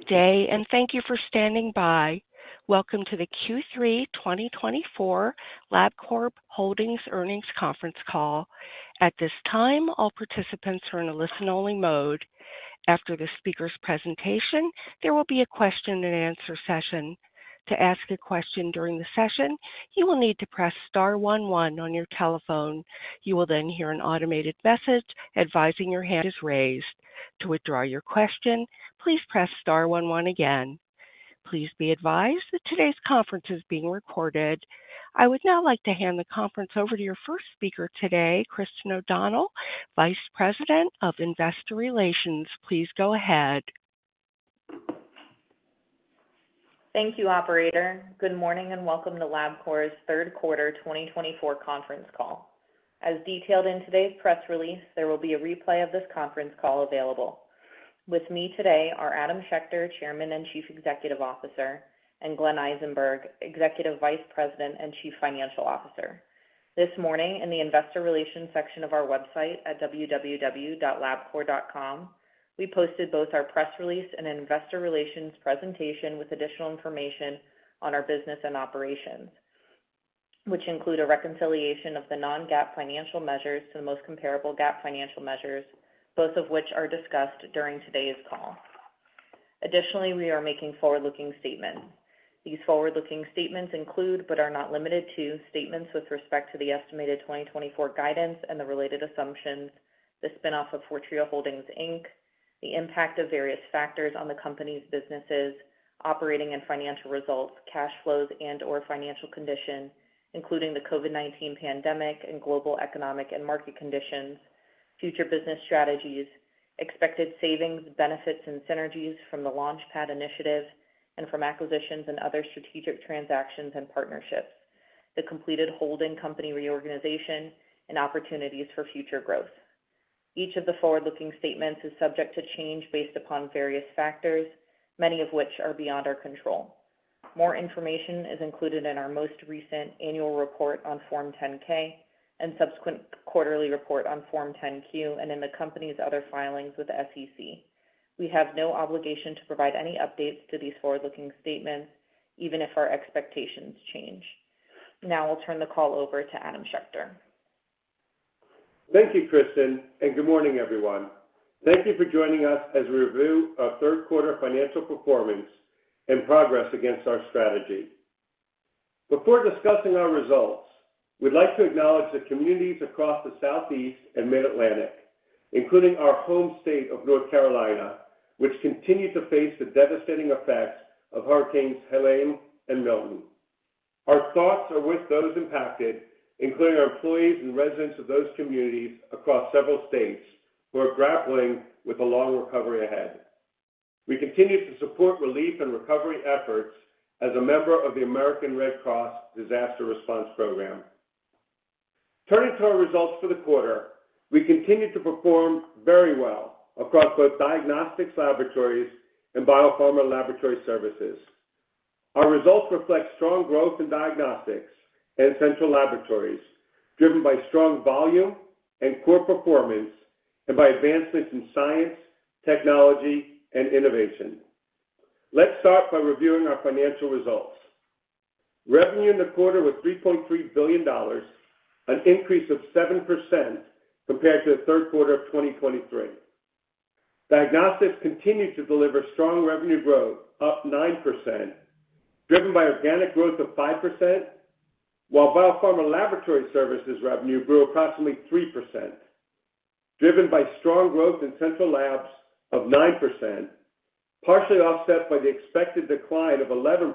Good day, and thank you for standing by. Welcome to the Q3 2024 Labcorp Holdings Earnings Conference Call. At this time, all participants are in a listen-only mode. After the speaker's presentation, there will be a question-and-answer session. To ask a question during the session, you will need to press star one one on your telephone. You will then hear an automated message advising your hand is raised. To withdraw your question, please press star one one again. Please be advised that today's conference is being recorded. I would now like to hand the conference over to your first speaker today, Kristen O'Donnell, Vice President of Investor Relations. Please go ahead. Thank you, operator. Good morning, and welcome to Labcorp's third quarter twenty twenty-four conference call. As detailed in today's press release, there will be a replay of this conference call available. With me today are Adam Schechter, Chairman and Chief Executive Officer, and Glenn Eisenberg, Executive Vice President and Chief Financial Officer. This morning, in the investor relations section of our website at www.labcorp.com, we posted both our press release and an investor relations presentation with additional information on our business and operations, which include a reconciliation of the non-GAAP financial measures to the most comparable GAAP financial measures, both of which are discussed during today's call. Additionally, we are making forward-looking statements. These forward-looking statements include, but are not limited to, statements with respect to the estimated 2024 guidance and the related assumptions, the spin-off of Fortrea Holdings, Inc., the impact of various factors on the company's businesses, operating and financial results, cash flows and/or financial condition, including the COVID-19 pandemic and global economic and market conditions, future business strategies, expected savings, benefits and synergies from the LaunchPad initiative and from acquisitions and other strategic transactions and partnerships, the completed holding company reorganization and opportunities for future growth. Each of the forward-looking statements is subject to change based upon various factors, many of which are beyond our control. More information is included in our most recent annual report on Form 10-K and subsequent quarterly report on Form 10-Q and in the company's other filings with the SEC. We have no obligation to provide any updates to these forward-looking statements, even if our expectations change. Now I'll turn the call over to Adam Schechter. Thank you, Kristen, and good morning, everyone. Thank you for joining us as we review our third quarter financial performance and progress against our strategy. Before discussing our results, we'd like to acknowledge the communities across the Southeast and Mid-Atlantic, including our home state of North Carolina, which continue to face the devastating effects of Hurricanes Helene and Milton. Our thoughts are with those impacted, including our employees and residents of those communities across several states, who are grappling with a long recovery ahead. We continue to support relief and recovery efforts as a member of the American Red Cross Disaster Response Program. Turning to our results for the quarter, we continued to perform very well across both Diagnostics Laboratories, and Biopharma Laboratory Services. Our results reflect strong growth in Diagnostics and Central Laboratories, driven by strong volume and core performance and by advancements in science, technology, and innovation. Let's start by reviewing our financial results. Revenue in the quarter was $3.3 billion, an increase of 7% compared to the third quarter of 2023. Diagnostics continued to deliver strong revenue growth, up 9%, driven by organic growth of 5%, while Biopharma Laboratory Services revenue grew approximately 3%, driven by strong growth in Central Labs of 9%, partially offset by the expected decline of 11%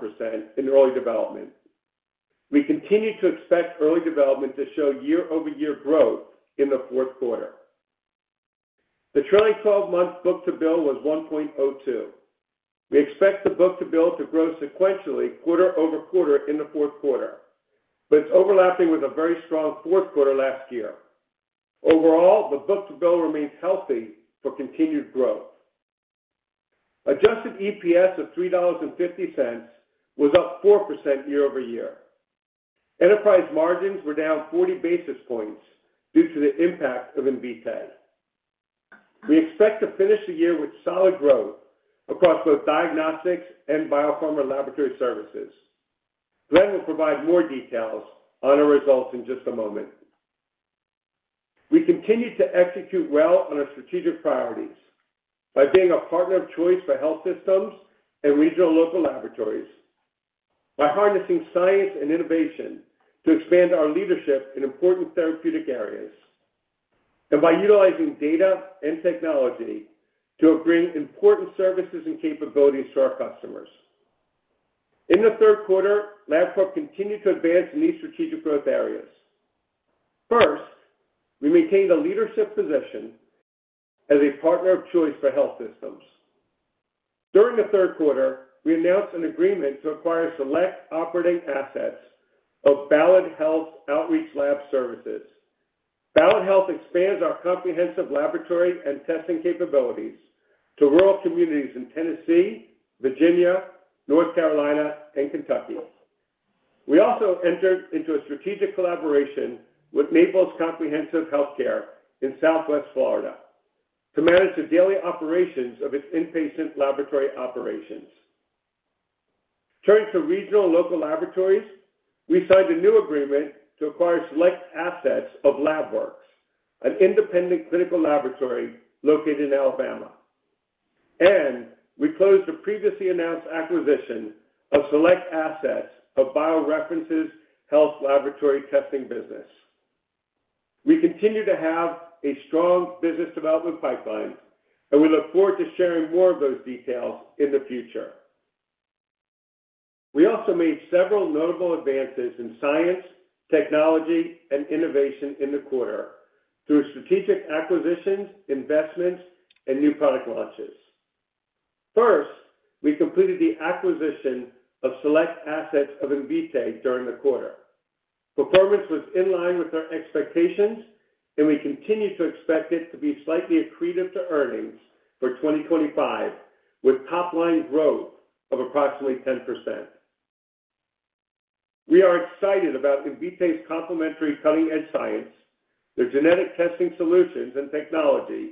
in Early Development. We continue to expect Early Development to show year-over-year growth in the fourth quarter. The trailing twelve-month book-to-bill was 1.02. We expect the book-to-bill to grow sequentially quarter over quarter in the fourth quarter, but it's overlapping with a very strong fourth quarter last year. Overall, the book-to-bill remains healthy for continued growth. Adjusted EPS of $3.50 was up 4% year over year. Enterprise margins were down forty basis points due to the impact of Invitae. We expect to finish the year with solid growth across both Diagnostics and Biopharma Laboratory Services. Glenn will provide more details on our results in just a moment. We continued to execute well on our strategic priorities by being a partner of choice for health systems and regional local laboratories, by harnessing science and innovation to expand our leadership in important therapeutic areas, and by utilizing data and technology to bring important services and capabilities to our customers. In the third quarter, Labcorp continued to advance in these strategic growth areas. First, we maintained a leadership position as a partner of choice for health systems. During the third quarter, we announced an agreement to acquire select operating assets of Ballad Health Outreach Lab Services. Ballad Health expands our comprehensive laboratory and testing capabilities to rural communities in Tennessee, Virginia, North Carolina, and Kentucky. We also entered into a strategic collaboration with Naples Comprehensive Healthcare in Southwest Florida, to manage the daily operations of its inpatient laboratory operations. Turning to regional and local laboratories, we signed a new agreement to acquire select assets of Labworks, an independent clinical laboratory located in Alabama, and we closed the previously announced acquisition of select assets of BioReference Health's laboratory testing business. We continue to have a strong business development pipeline, and we look forward to sharing more of those details in the future. We also made several notable advances in science, technology, and innovation in the quarter through strategic acquisitions, investments, and new product launches. First, we completed the acquisition of select assets of Invitae during the quarter. Performance was in line with our expectations, and we continue to expect it to be slightly accretive to earnings for 2025, with top-line growth of approximately 10%. We are excited about Invitae's complementary cutting-edge science, their genetic testing solutions and technology,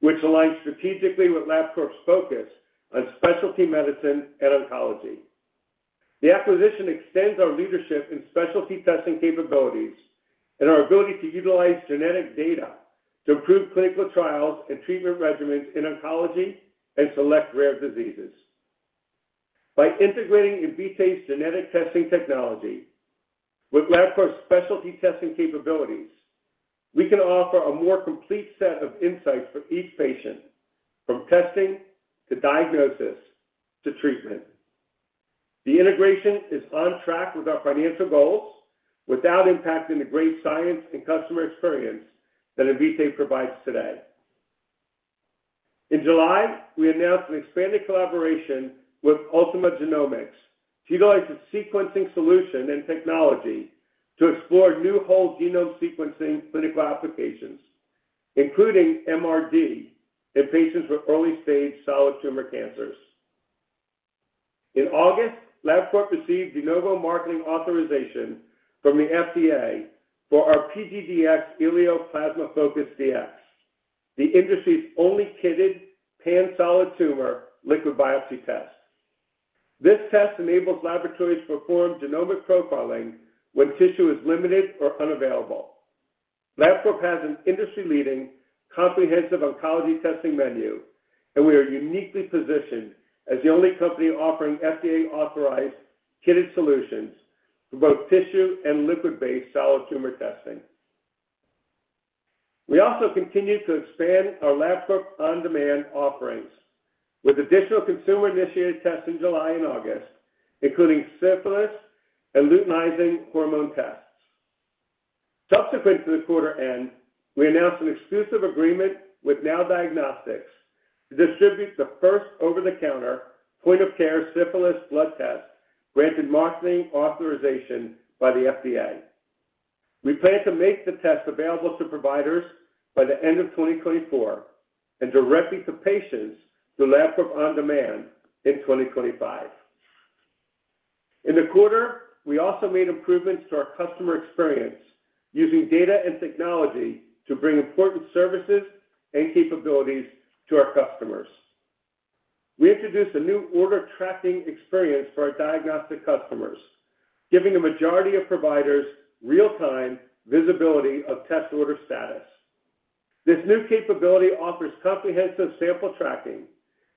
which aligns strategically with Labcorp's focus on specialty medicine and oncology. The acquisition extends our leadership in specialty testing capabilities and our ability to utilize genetic data to improve clinical trials and treatment regimens in oncology and select rare diseases. By integrating Invitae's genetic testing technology with Labcorp's specialty testing capabilities, we can offer a more complete set of insights for each patient, from testing to diagnosis to treatment. The integration is on track with our financial goals, without impacting the great science and customer experience that Invitae provides today. In July, we announced an expanded collaboration with Ultima Genomics to utilize its sequencing solution and technology to explore new whole-genome sequencing clinical applications, including MRD in patients with early-stage solid tumor cancers. In August, Labcorp received de novo marketing authorization from the FDA for our PGDx elio plasma focus Dx, the industry's only kitted pan-solid tumor liquid biopsy test. This test enables laboratories to perform genomic profiling when tissue is limited or unavailable. Labcorp has an industry-leading, comprehensive oncology testing menu, and we are uniquely positioned as the only company offering FDA-authorized kitted solutions for both tissue and liquid-based solid tumor testing. We also continued to expand our Labcorp OnDemand offerings with additional consumer-initiated tests in July and August, including syphilis and luteinizing hormone tests. Subsequent to the quarter end, we announced an exclusive agreement with NOWDiagnostics to distribute the first over-the-counter point-of-care syphilis blood test, granted marketing authorization by the FDA. We plan to make the test available to providers by the end of 2024 and directly to patients through Labcorp OnDemand in 2025. In the quarter, we also made improvements to our customer experience using data and technology to bring important services and capabilities to our customers. We introduced a new order tracking experience for our diagnostic customers, giving the majority of providers real-time visibility of test order status. This new capability offers comprehensive sample tracking,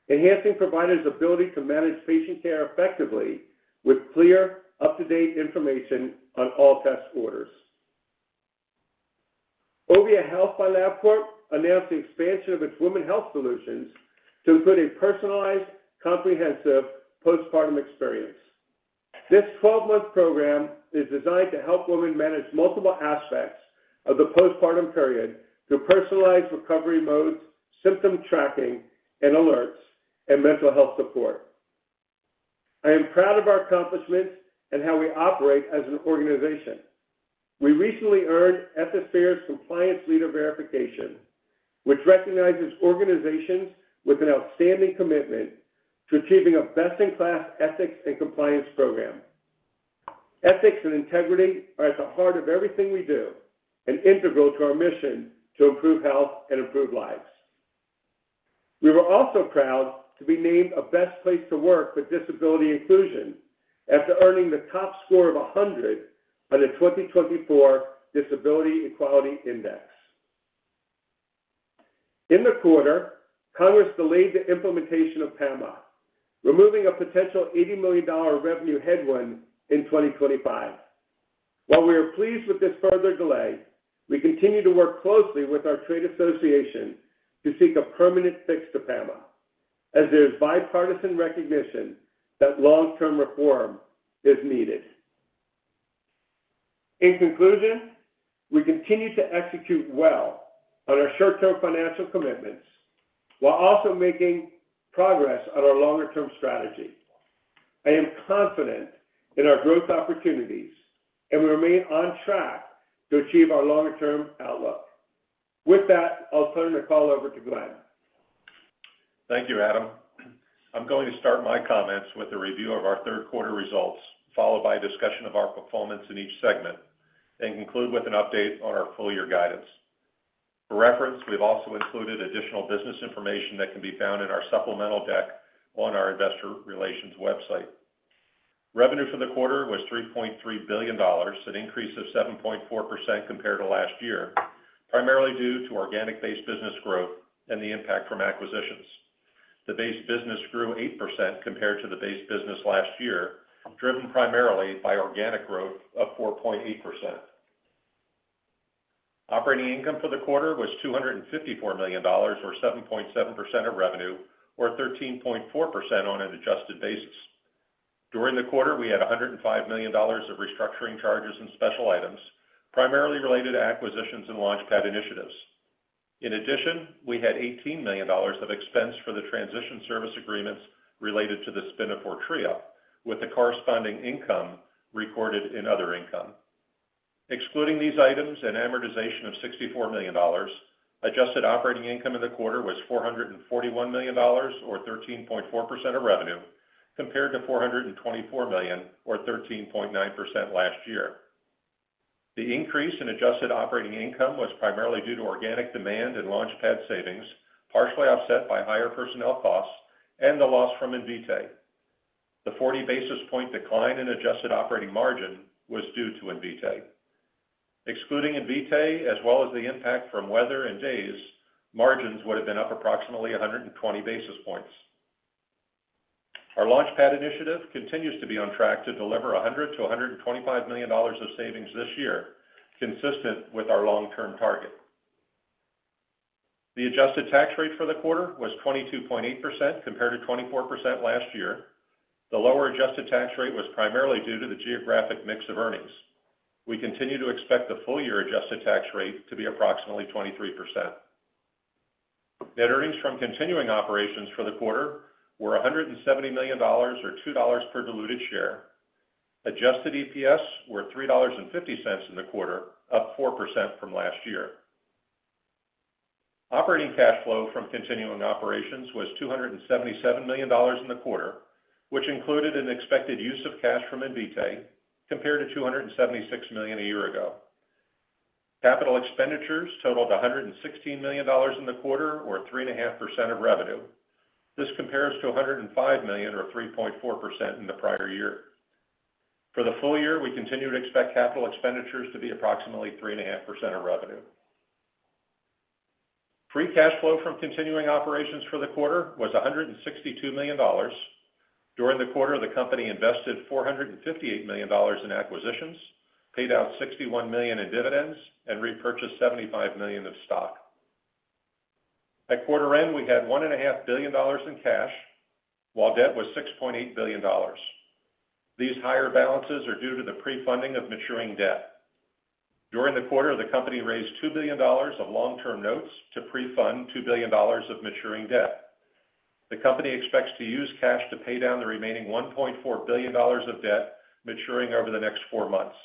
enhancing providers' ability to manage patient care effectively with clear, up-to-date information on all test orders. Ovia Health by Labcorp announced the expansion of its women's health solutions to include a personalized, comprehensive postpartum experience. This twelve-month program is designed to help women manage multiple aspects of the postpartum period through personalized recovery modes, symptom tracking and alerts, and mental health support. I am proud of our accomplishments and how we operate as an organization. We recently earned Ethisphere's Compliance Leader Verification, which recognizes organizations with an outstanding commitment to achieving a best-in-class ethics and compliance program. Ethics and integrity are at the heart of everything we do and integral to our mission to improve health and improve lives. We were also proud to be named a Best Place to Work for Disability Inclusion, after earning the top score of 100 on the 2024 Disability Equality Index. In the quarter, Congress delayed the implementation of PAMA, removing a potential $80 million revenue headwind in 2025. While we are pleased with this further delay, we continue to work closely with our trade association to seek a permanent fix to PAMA, as there is bipartisan recognition that long-term reform is needed. In conclusion, we continue to execute well on our short-term financial commitments while also making progress on our longer-term strategy. I am confident in our growth opportunities, and we remain on track to achieve our longer-term outlook. With that, I'll turn the call over to Glenn. Thank you, Adam. I'm going to start my comments with a review of our third quarter results, followed by a discussion of our performance in each segment, and conclude with an update on our full year guidance. For reference, we've also included additional business information that can be found in our supplemental deck on our investor relations website. Revenue for the quarter was $3.3 billion, an increase of 7.4% compared to last year, primarily due to organic base business growth and the impact from acquisitions. The base business grew 8% compared to the base business last year, driven primarily by organic growth of 4.8%. Operating income for the quarter was $254 million, or 7.7% of revenue, or 13.4% on an adjusted basis. During the quarter, we had $105 million of restructuring charges and special items, primarily related to acquisitions and LaunchPad initiatives. In addition, we had $18 million of expense for the transition service agreements related to the spin-off of Fortrea, with the corresponding income recorded in other income. Excluding these items, an amortization of $64 million, adjusted operating income in the quarter was $441 million, or 13.4% of revenue, compared to $424 million, or 13.9% last year. The increase in adjusted operating income was primarily due to organic demand and LaunchPad savings, partially offset by higher personnel costs and the loss from Invitae. The 40 basis points decline in adjusted operating margin was due to Invitae. Excluding Invitae, as well as the impact from weather and days, margins would have been up approximately 120 basis points. Our LaunchPad initiative continues to be on track to deliver $100-$125 million of savings this year, consistent with our long-term target. The adjusted tax rate for the quarter was 22.8%, compared to 24% last year. The lower adjusted tax rate was primarily due to the geographic mix of earnings. We continue to expect the full year adjusted tax rate to be approximately 23%. Net earnings from continuing operations for the quarter were $170 million or $2 per diluted share. Adjusted EPS were $3.50 in the quarter, up 4% from last year. Operating cash flow from continuing operations was $277 million in the quarter, which included an expected use of cash from Invitae, compared to $276 million a year ago. Capital expenditures totaled $116 million in the quarter, or 3.5% of revenue. This compares to $105 million, or 3.4% in the prior year. For the full year, we continue to expect capital expenditures to be approximately 3.5% of revenue. Free cash flow from continuing operations for the quarter was $162 million. During the quarter, the company invested $458 million in acquisitions, paid out $61 million in dividends, and repurchased $75 million of stock. At quarter end, we had $1.5 billion in cash, while debt was $6.8 billion. These higher balances are due to the pre-funding of maturing debt. During the quarter, the company raised $2 billion of long-term notes to pre-fund $2 billion of maturing debt. The company expects to use cash to pay down the remaining $1.4 billion of debt maturing over the next four months.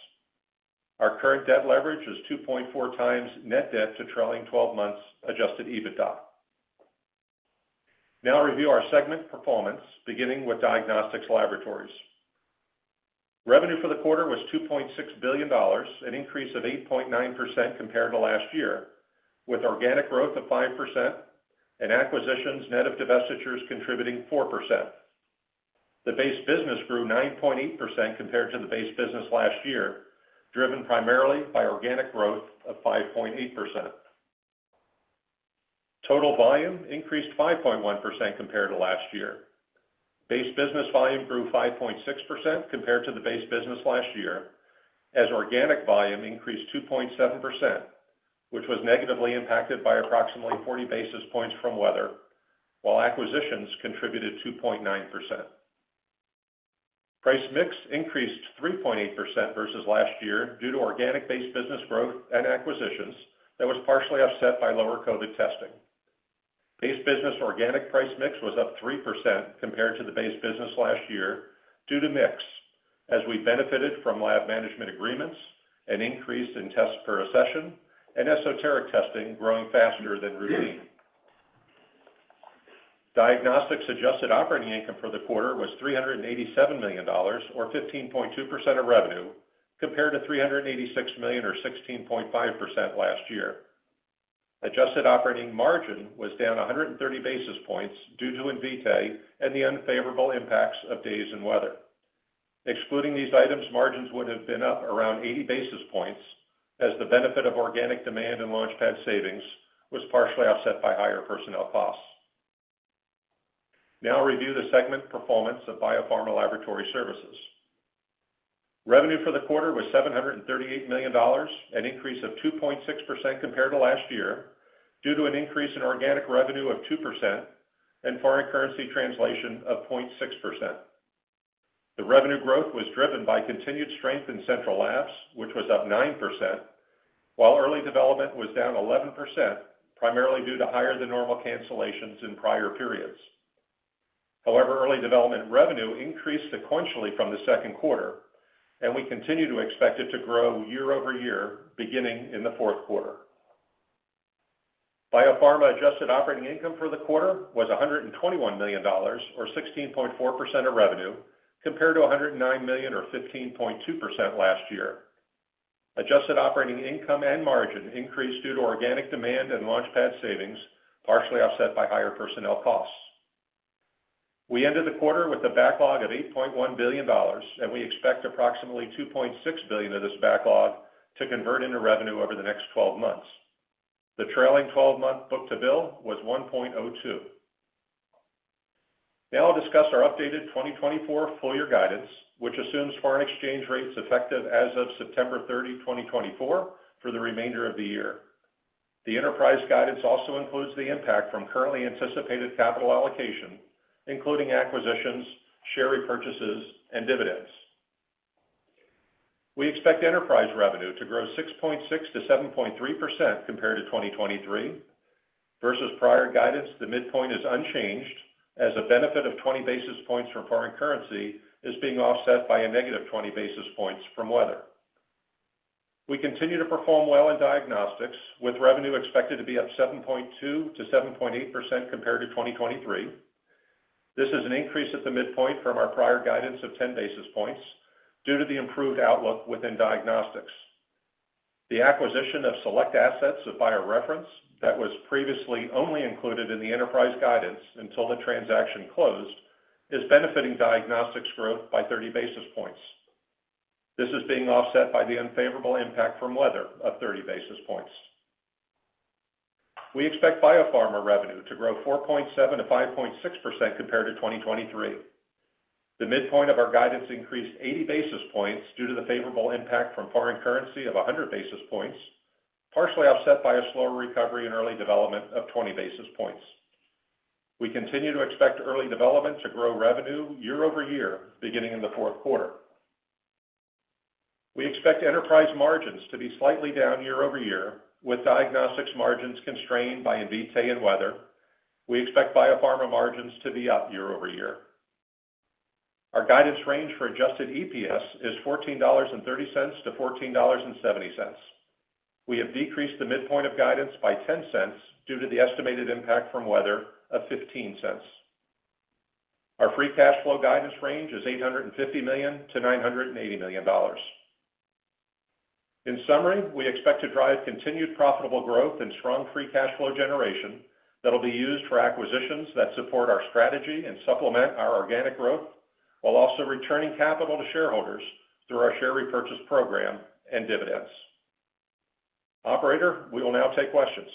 Our current debt leverage is 2.4 times net debt to trailing twelve months adjusted EBITDA. Now I'll review our segment performance, beginning with Diagnostics Laboratories. Revenue for the quarter was $2.6 billion, an increase of 8.9% compared to last year, with organic growth of 5% and acquisitions net of divestitures contributing 4%. The base business grew 9.8% compared to the base business last year, driven primarily by organic growth of 5.8%. Total volume increased 5.1% compared to last year. Base business volume grew 5.6% compared to the base business last year, as organic volume increased 2.7%, which was negatively impacted by approximately 40 basis points from weather, while acquisitions contributed 2.9%. Price mix increased 3.8% versus last year due to organic base business growth and acquisitions that was partially offset by lower COVID testing. Base business organic price mix was up 3% compared to the base business last year due to mix, as we benefited from lab management agreements, an increase in tests per session, and esoteric testing growing faster than routine. Diagnostics adjusted operating income for the quarter was $387 million, or 15.2% of revenue, compared to $386 million or 16.5% last year. Adjusted operating margin was down 130 basis points due to Invitae and the unfavorable impacts of days and weather. Excluding these items, margins would have been up around 80 basis points, as the benefit of organic demand and LaunchPad savings was partially offset by higher personnel costs. Now I'll review the segment performance of Biopharma Laboratory Services. Revenue for the quarter was $738 million, an increase of 2.6% compared to last year, due to an increase in organic revenue of 2% and foreign currency translation of 0.6%. The revenue growth was driven by continued strength in Central Labs, which was up 9%, while Early Development was down 11%, primarily due to higher than normal cancellations in prior periods. However, Early Development revenue increased sequentially from the second quarter, and we continue to expect it to grow year over year, beginning in the fourth quarter. Biopharma adjusted operating income for the quarter was $121 million, or 16.4% of revenue, compared to $109 million, or 15.2% last year. Adjusted operating income and margin increased due to organic demand and LaunchPad savings, partially offset by higher personnel costs. We ended the quarter with a backlog of $8.1 billion, and we expect approximately $2.6 billion of this backlog to convert into revenue over the next 12 months. The trailing twelve-month book-to-bill was 1.02. Now I'll discuss our updated 2024 full year guidance, which assumes foreign exchange rates effective as of September 30, 2024 for the remainder of the year. The enterprise guidance also includes the impact from currently anticipated capital allocation, including acquisitions, share repurchases, and dividends. We expect enterprise revenue to grow 6.6%-7.3% compared to 2023. Versus prior guidance, the midpoint is unchanged as a benefit of 20 basis points from foreign currency is being offset by a negative 20 basis points from weather. We continue to perform well in Diagnostics, with revenue expected to be up 7.2%-7.8% compared to 2023. This is an increase at the midpoint from our prior guidance of 10 basis points due to the improved outlook within Diagnostics. The acquisition of select assets of BioReference that was previously only included in the enterprise guidance until the transaction closed, is benefiting Diagnostics growth by 30 basis points. This is being offset by the unfavorable impact from weather of 30 basis points. We expect Biopharma revenue to grow 4.7%-5.6% compared to 2023. The midpoint of our guidance increased 80 basis points due to the favorable impact from foreign currency of 100 basis points, partially offset by a slower recovery in Early Development of 20 basis points. We continue to expect Early Development to grow revenue year over year, beginning in the fourth quarter. We expect enterprise margins to be slightly down year over year, with Diagnostics margins constrained by Invitae and weather. We expect Biopharma margins to be up year over year. Our guidance range for Adjusted EPS is $14.30-$14.70. We have decreased the midpoint of guidance by $0.10 due to the estimated impact from weather of $0.15. Our free cash flow guidance range is $850 million-$980 million. In summary, we expect to drive continued profitable growth and strong free cash flow generation that will be used for acquisitions that support our strategy and supplement our organic growth, while also returning capital to shareholders through our share repurchase program and dividends. Operator, we will now take questions.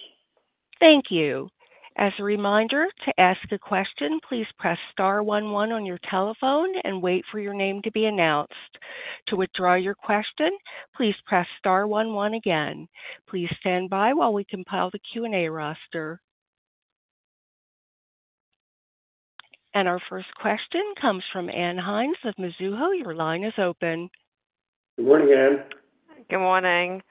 Thank you. As a reminder, to ask a question, please press star one one on your telephone and wait for your name to be announced. To withdraw your question, please press star one one again. Please stand by while we compile the Q&A roster. And our first question comes from Ann Hynes of Mizuho. Your line is open. Good morning, Ann. Good morning.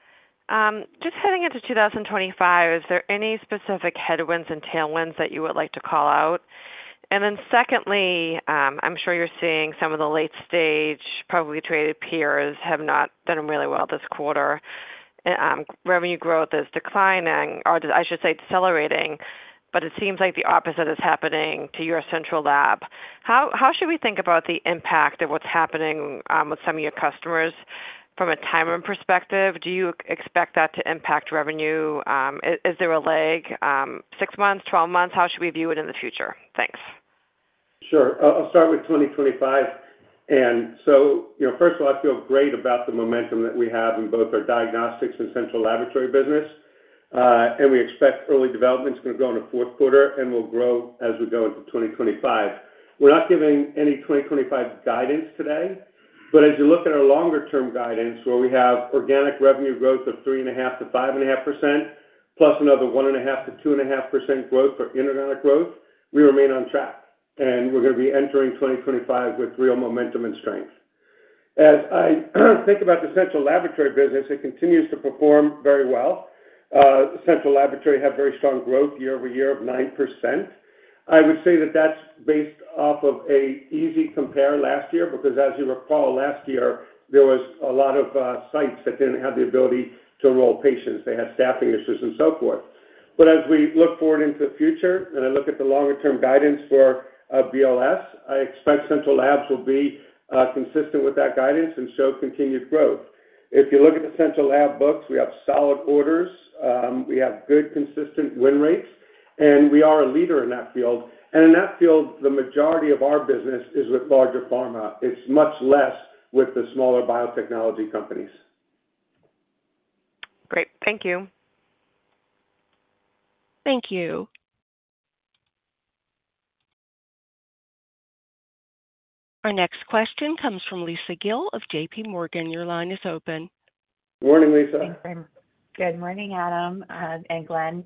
Just heading into twenty twenty-five, is there any specific headwinds and tailwinds that you would like to call out? And then secondly, I'm sure you're seeing some of the late stage, publicly traded peers have not done really well this quarter. Revenue growth is declining, or I should say, decelerating, but it seems like the opposite is happening to your central lab. How should we think about the impact of what's happening with some of your customers from a timing perspective? Do you expect that to impact revenue? Is there a lag, six months, 12 months? How should we view it in the future? Thanks. Sure. I'll start with twenty twenty-five. And so, you know, first of all, I feel great about the momentum that we have in both our Diagnostics and central laboratory business, and we expect Early Development is going to grow in the fourth quarter and will grow as we go into twenty twenty-five. We're not giving any twenty twenty-five guidance today, but as you look at our longer-term guidance, where we have organic revenue growth of 3.5%-5.5%, plus another 1.5%-2.5% growth for inorganic growth, we remain on track, and we're going to be entering twenty twenty-five with real momentum and strength. As I think about the central laboratory business, it continues to perform very well. Central laboratory had very strong growth year over year of 9%. I would say that that's based off of an easy compare last year, because as you recall, last year, there was a lot of sites that didn't have the ability to enroll patients. They had staffing issues and so forth. But as we look forward into the future, and I look at the longer-term guidance for BLS, I expect Central Labs will be consistent with that guidance and show continued growth. If you look at the central lab books, we have solid orders, we have good, consistent win rates, and we are a leader in that field. And in that field, the majority of our business is with larger pharma. It's much less with the smaller biotechnology companies. Great. Thank you. Thank you. Our next question comes from Lisa Gill of J.P. Morgan. Your line is open. Morning, Lisa. Thanks, Ann. Good morning, Adam, and Glenn.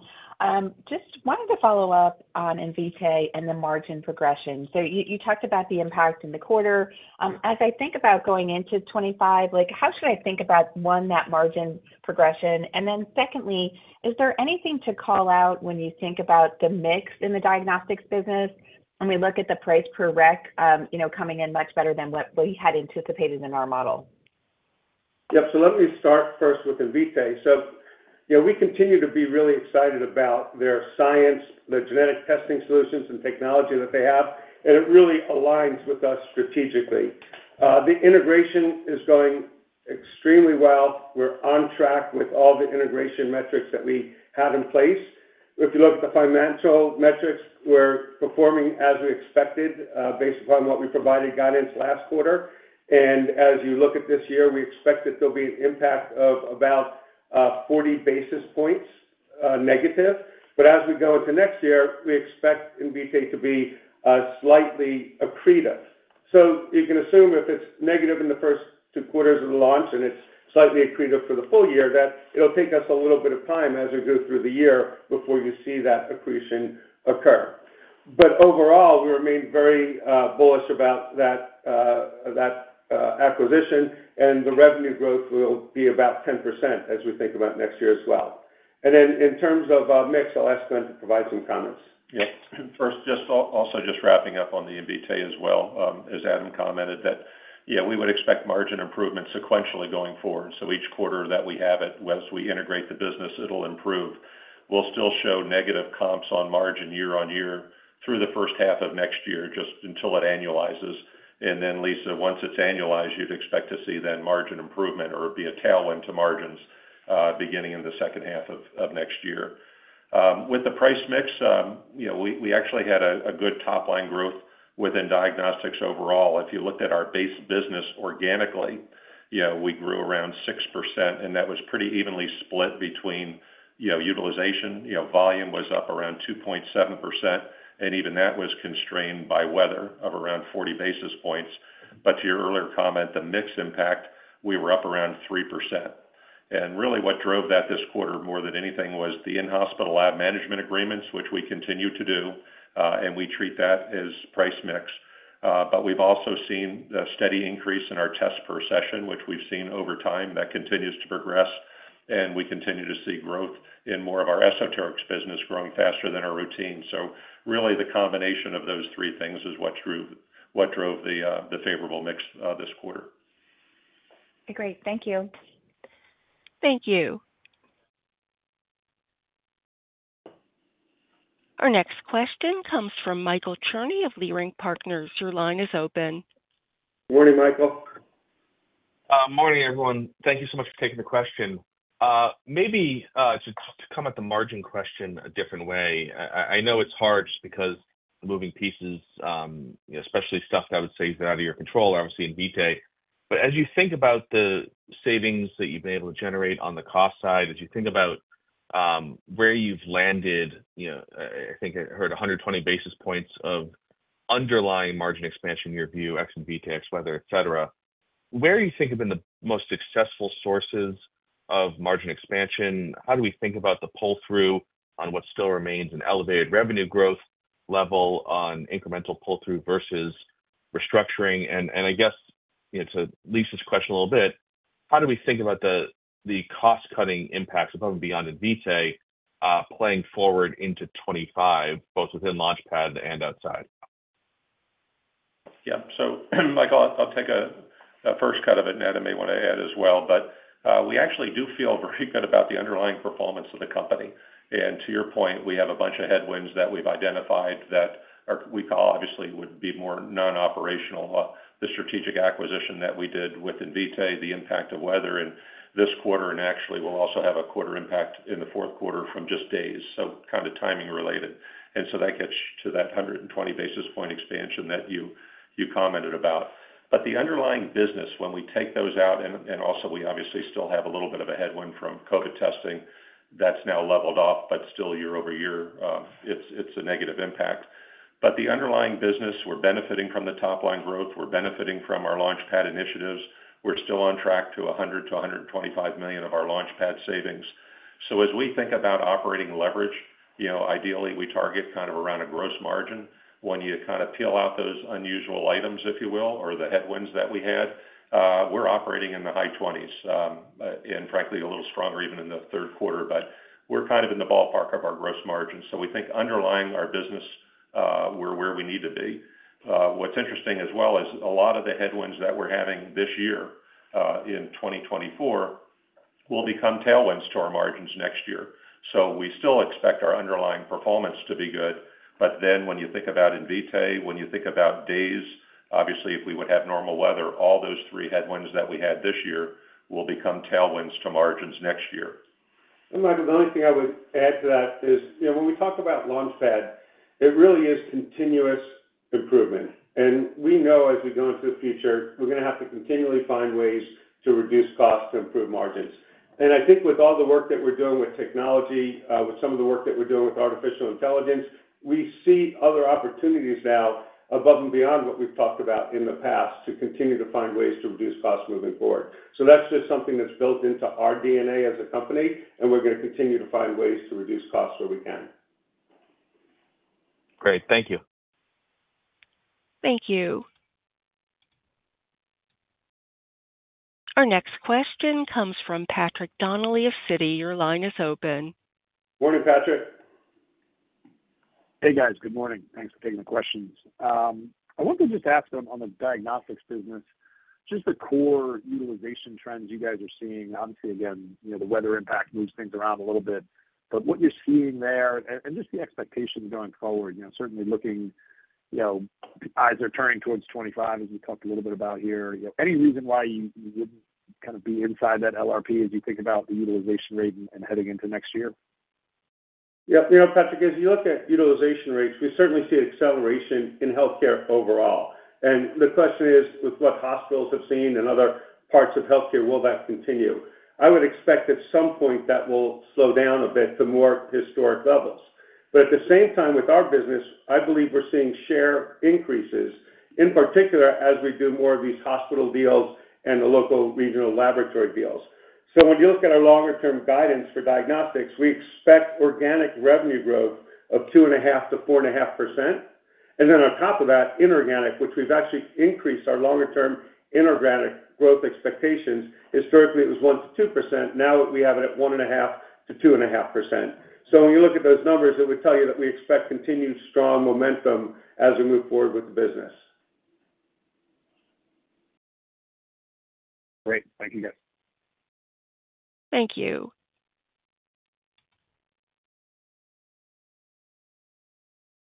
Just wanted to follow up on Invitae and the margin progression. So you talked about the impact in the quarter. As I think about going into 2025, like, how should I think about, one, that margin progression? And then secondly, is there anything to call out when you think about the mix in the Diagnostics business when we look at the price per req, you know, coming in much better than what we had anticipated in our model? ... Yep, so let me start first with Invitae, so you know, we continue to be really excited about their science, their genetic testing solutions and technology that they have, and it really aligns with us strategically. The integration is going extremely well. We're on track with all the integration metrics that we have in place. If you look at the financial metrics, we're performing as we expected, based upon what we provided guidance last quarter, and as you look at this year, we expect that there'll be an impact of about forty basis points negative, but as we go into next year, we expect Invitae to be slightly accretive. So you can assume if it's negative in the first two quarters of the launch and it's slightly accretive for the full year, that it'll take us a little bit of time as we go through the year before you see that accretion occur. But overall, we remain very bullish about that acquisition, and the revenue growth will be about 10% as we think about next year as well. And then in terms of mix, I'll ask Glenn to provide some comments. Yep. First, just, also just wrapping up on the Invitae as well, as Adam commented, that, yeah, we would expect margin improvement sequentially going forward. So each quarter that we have it, as we integrate the business, it'll improve. We'll still show negative comps on margin year on year through the first half of next year, just until it annualizes. And then, Lisa, once it's annualized, you'd expect to see then margin improvement or it be a tailwind to margins, beginning in the second half of next year. With the price mix, you know, we actually had a good top line growth within Diagnostics overall. If you looked at our base business organically, you know, we grew around 6%, and that was pretty evenly split between, you know, utilization. You know, volume was up around 2.7%, and even that was constrained by weather of around 40 basis points. But to your earlier comment, the mix impact, we were up around 3%. And really what drove that this quarter more than anything was the in-hospital lab management agreements, which we continue to do, and we treat that as price mix. But we've also seen a steady increase in our tests per session, which we've seen over time. That continues to progress, and we continue to see growth in more of our esoteric business growing faster than our routine. So really, the combination of those three things is what drove the favorable mix this quarter. Great. Thank you. Thank you. Our next question comes from Michael Cherny of Leerink Partners. Your line is open. Morning, Michael. Morning, everyone. Thank you so much for taking the question. Maybe to come at the margin question a different way, I know it's hard just because the moving pieces, especially stuff that I would say is out of your control, obviously, Invitae. But as you think about the savings that you've been able to generate on the cost side, as you think about where you've landed, you know, I think I heard 120 basis points of underlying margin expansion in your view, ex Invitae, weather, et cetera. Where do you think have been the most successful sources of margin expansion? How do we think about the pull-through on what still remains an elevated revenue growth level on incremental pull-through versus restructuring? I guess, you know, to Lisa's question a little bit, how do we think about the cost-cutting impacts above and beyond Invitae playing forward into 2025, both within LaunchPad and outside? Yeah. So Michael, I'll take a first cut of it, and Adam may want to add as well. But we actually do feel very good about the underlying performance of the company. And to your point, we have a bunch of headwinds that we've identified that are we call, obviously, would be more non-operational. The strategic acquisition that we did with Invitae, the impact of weather in this quarter, and actually will also have a quarter impact in the fourth quarter from just days, so kind of timing related. And so that gets to that 120 basis point expansion that you commented about. But the underlying business, when we take those out, and also we obviously still have a little bit of a headwind from COVID testing, that's now leveled off, but still year over year, it's a negative impact. But the underlying business, we're benefiting from the top line growth. We're benefiting from our LaunchPad initiatives. We're still on track to $100 million-$125 million of our LaunchPad savings. So as we think about operating leverage, you know, ideally, we target kind of around a gross margin. When you kind of peel out those unusual items, if you will, or the headwinds that we had, we're operating in the high twenties, and frankly, a little stronger even in the third quarter, but we're kind of in the ballpark of our gross margin. So we think underlying our business, we're where we need to be. What's interesting as well is a lot of the headwinds that we're having this year, in 2024, will become tailwinds to our margins next year. So we still expect our underlying performance to be good. But then when you think about Invitae, when you think about PAMA, obviously, if we would have normal weather, all those three headwinds that we had this year will become tailwinds to margins next year. And Michael, the only thing I would add to that is, you know, when we talk about LaunchPad, it really is continuous improvement. And we know as we go into the future, we're going to have to continually find ways to reduce costs to improve margins. And I think with all the work that we're doing with technology, with some of the work that we're doing with artificial intelligence, we see other opportunities now above and beyond what we've talked about in the past to continue to find ways to reduce costs moving forward. So that's just something that's built into our DNA as a company, and we're going to continue to find ways to reduce costs where we can. Great. Thank you. Thank you. Our next question comes from Patrick Donnelly of Citi. Your line is open. Morning, Patrick. Hey, guys, good morning. Thanks for taking the questions. I wanted to just ask on the Diagnostics business, just the core utilization trends you guys are seeing. Obviously, again, you know, the weather impact moves things around a little bit, but what you're seeing there and just the expectations going forward, you know, certainly looking, you know, eyes are turning towards twenty-five, as we talked a little bit about here. Any reason why you wouldn't kind of be inside that LRP as you think about the utilization rate and heading into next year? Yeah. You know, Patrick, as you look at utilization rates, we certainly see acceleration in healthcare overall. And the question is, with what hospitals have seen in other parts of healthcare, will that continue? I would expect at some point that will slow down a bit to more historic levels. But at the same time, with our business, I believe we're seeing share increases, in particular, as we do more of these hospital deals and the local regional laboratory deals. So when you look at our longer term guidance for Diagnostics, we expect organic revenue growth of 2.5%-4.5%. And then on top of that, inorganic, which we've actually increased our longer term inorganic growth expectations. Historically, it was 1%-2%, now we have it at 1.5%-2.5%. So when you look at those numbers, it would tell you that we expect continued strong momentum as we move forward with the business. Great. Thank you, guys. Thank you.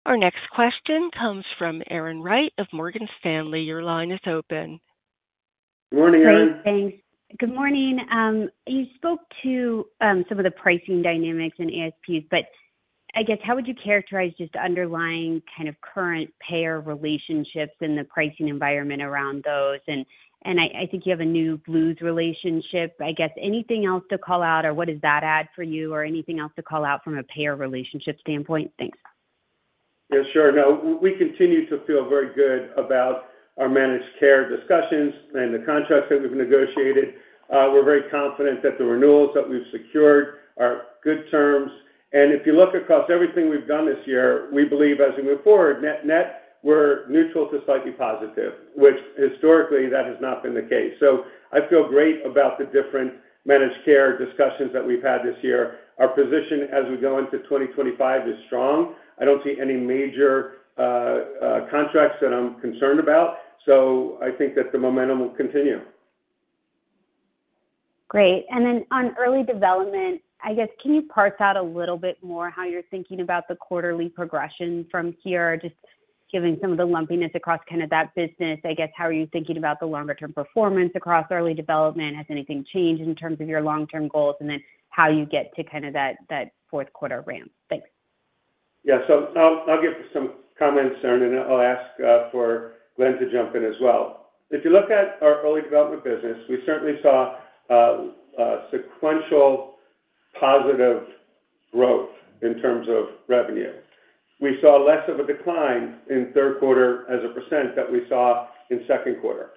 Our next question comes from Erin Wright of Morgan Stanley. Your line is open. Morning, Erin. Great, thanks. Good morning. You spoke to some of the pricing dynamics and ASPs, but I guess, how would you characterize just underlying kind of current payer relationships and the pricing environment around those? And I think you have a new Blues relationship. I guess, anything else to call out, or what does that add for you, or anything else to call out from a payer relationship standpoint? Thanks. Yeah, sure. No, we continue to feel very good about our managed care discussions and the contracts that we've negotiated. We're very confident that the renewals that we've secured are good terms. And if you look across everything we've done this year, we believe as we move forward, net, net, we're neutral to slightly positive, which historically, that has not been the case. So I feel great about the different managed care discussions that we've had this year. Our position as we go into 2025 is strong. I don't see any major contracts that I'm concerned about, so I think that the momentum will continue. Great. And then on Early Development, I guess, can you parse out a little bit more how you're thinking about the quarterly progression from here, just given some of the lumpiness across kind of that business? I guess, how are you thinking about the longer term performance across Early Development? Has anything changed in terms of your long-term goals, and then how you get to kind of that, that fourth quarter ramp? Thanks. Yeah. So I'll give some comments, Erin, and I'll ask for Glenn to jump in as well. If you look at our Early Development business, we certainly saw sequential positive growth in terms of revenue. We saw less of a decline in third quarter as a percent that we saw in second quarter.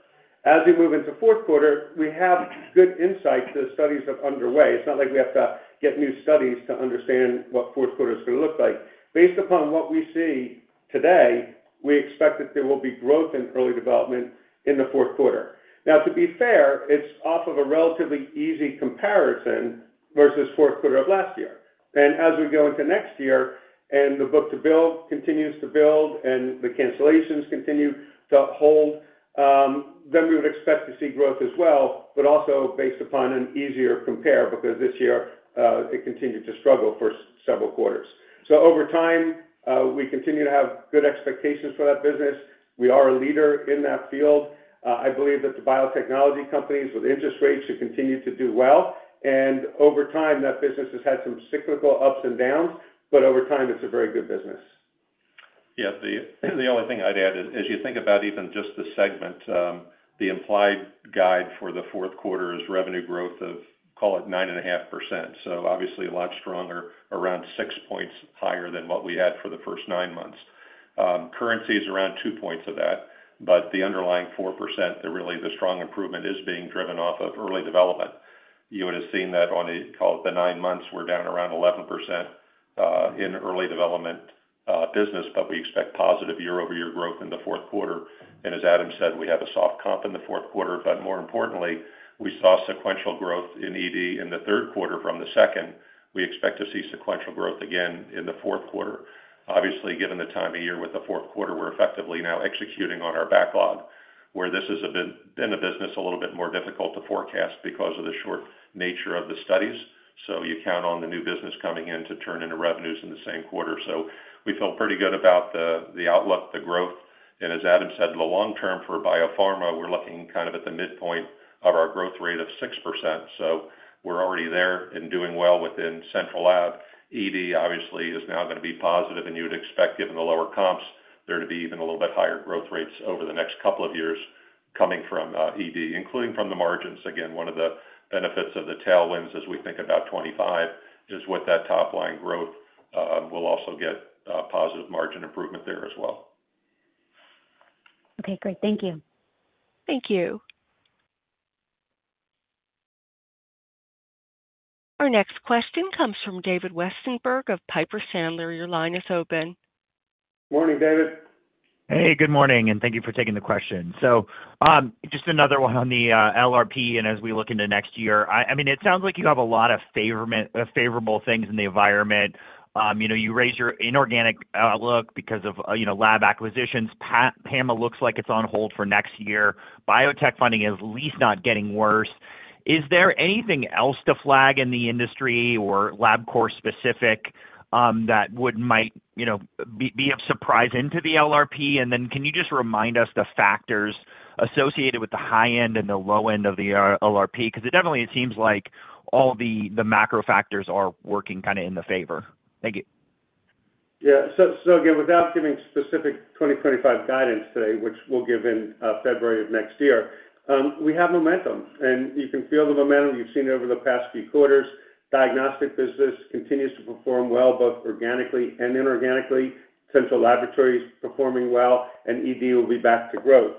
As we move into fourth quarter, we have good insight. The studies are underway. It's not like we have to get new studies to understand what fourth quarter is gonna look like. Based upon what we see today, we expect that there will be growth in Early Development in the fourth quarter. Now, to be fair, it's off of a relatively easy comparison versus fourth quarter of last year. As we go into next year, and the book-to-bill continues to build and the cancellations continue to hold, then we would expect to see growth as well, but also based upon an easier compare, because this year, it continued to struggle for several quarters. Over time, we continue to have good expectations for that business. We are a leader in that field. I believe that the biotechnology companies with interest rates should continue to do well, and over time, that business has had some cyclical ups and downs, but over time, it is a very good business. Yeah, the only thing I'd add is, as you think about even just the segment, the implied guide for the fourth quarter is revenue growth of, call it, 9.5%. So obviously, a lot stronger, around six points higher than what we had for the first nine months. Currency is around two points of that, but the underlying 4%, really, the strong improvement is being driven off of Early Development. You would have seen that on the, call it, the nine months, we're down around 11% in Early Development business, but we expect positive year-over-year growth in the fourth quarter. And as Adam said, we have a soft comp in the fourth quarter, but more importantly, we saw sequential growth in ED in the third quarter from the second. We expect to see sequential growth again in the fourth quarter. Obviously, given the time of year with the fourth quarter, we're effectively now executing on our backlog, where this has been a business a little bit more difficult to forecast because of the short nature of the studies. You count on the new business coming in to turn into revenues in the same quarter. We feel pretty good about the outlook, the growth, and as Adam said, in the long term for Biopharma, we're looking kind of at the midpoint of our growth rate of 6%. We're already there and doing well within central lab. ED, obviously, is now gonna be positive, and you would expect, given the lower comps, there to be even a little bit higher growth rates over the next couple of years coming from ED, including from the margins. Again, one of the benefits of the tailwinds as we think about 2025 is with that top line growth, we'll also get positive margin improvement there as well. Okay, great. Thank you. Thank you. Our next question comes from David Westenberg of Piper Sandler. Your line is open. Morning, David. Hey, good morning, and thank you for taking the questions. So, just another one on the LRP, and as we look into next year, I mean, it sounds like you have a lot of favorable things in the environment. You know, you raised your inorganic outlook because of, you know, lab acquisitions. PAMA looks like it's on hold for next year. Biotech funding is at least not getting worse. Is there anything else to flag in the industry or Labcorp specific, that might, you know, be of surprise into the LRP? And then can you just remind us the factors associated with the high end and the low end of the LRP? Because it definitely seems like all the macro factors are working kind of in the favor. Thank you. Yeah. So again, without giving specific 2025 guidance today, which we'll give in February of next year, we have momentum, and you can feel the momentum. You've seen it over the past few quarters. Diagnostic business continues to perform well, both organically and inorganically. Central laboratory is performing well, and CRO will be back to growth.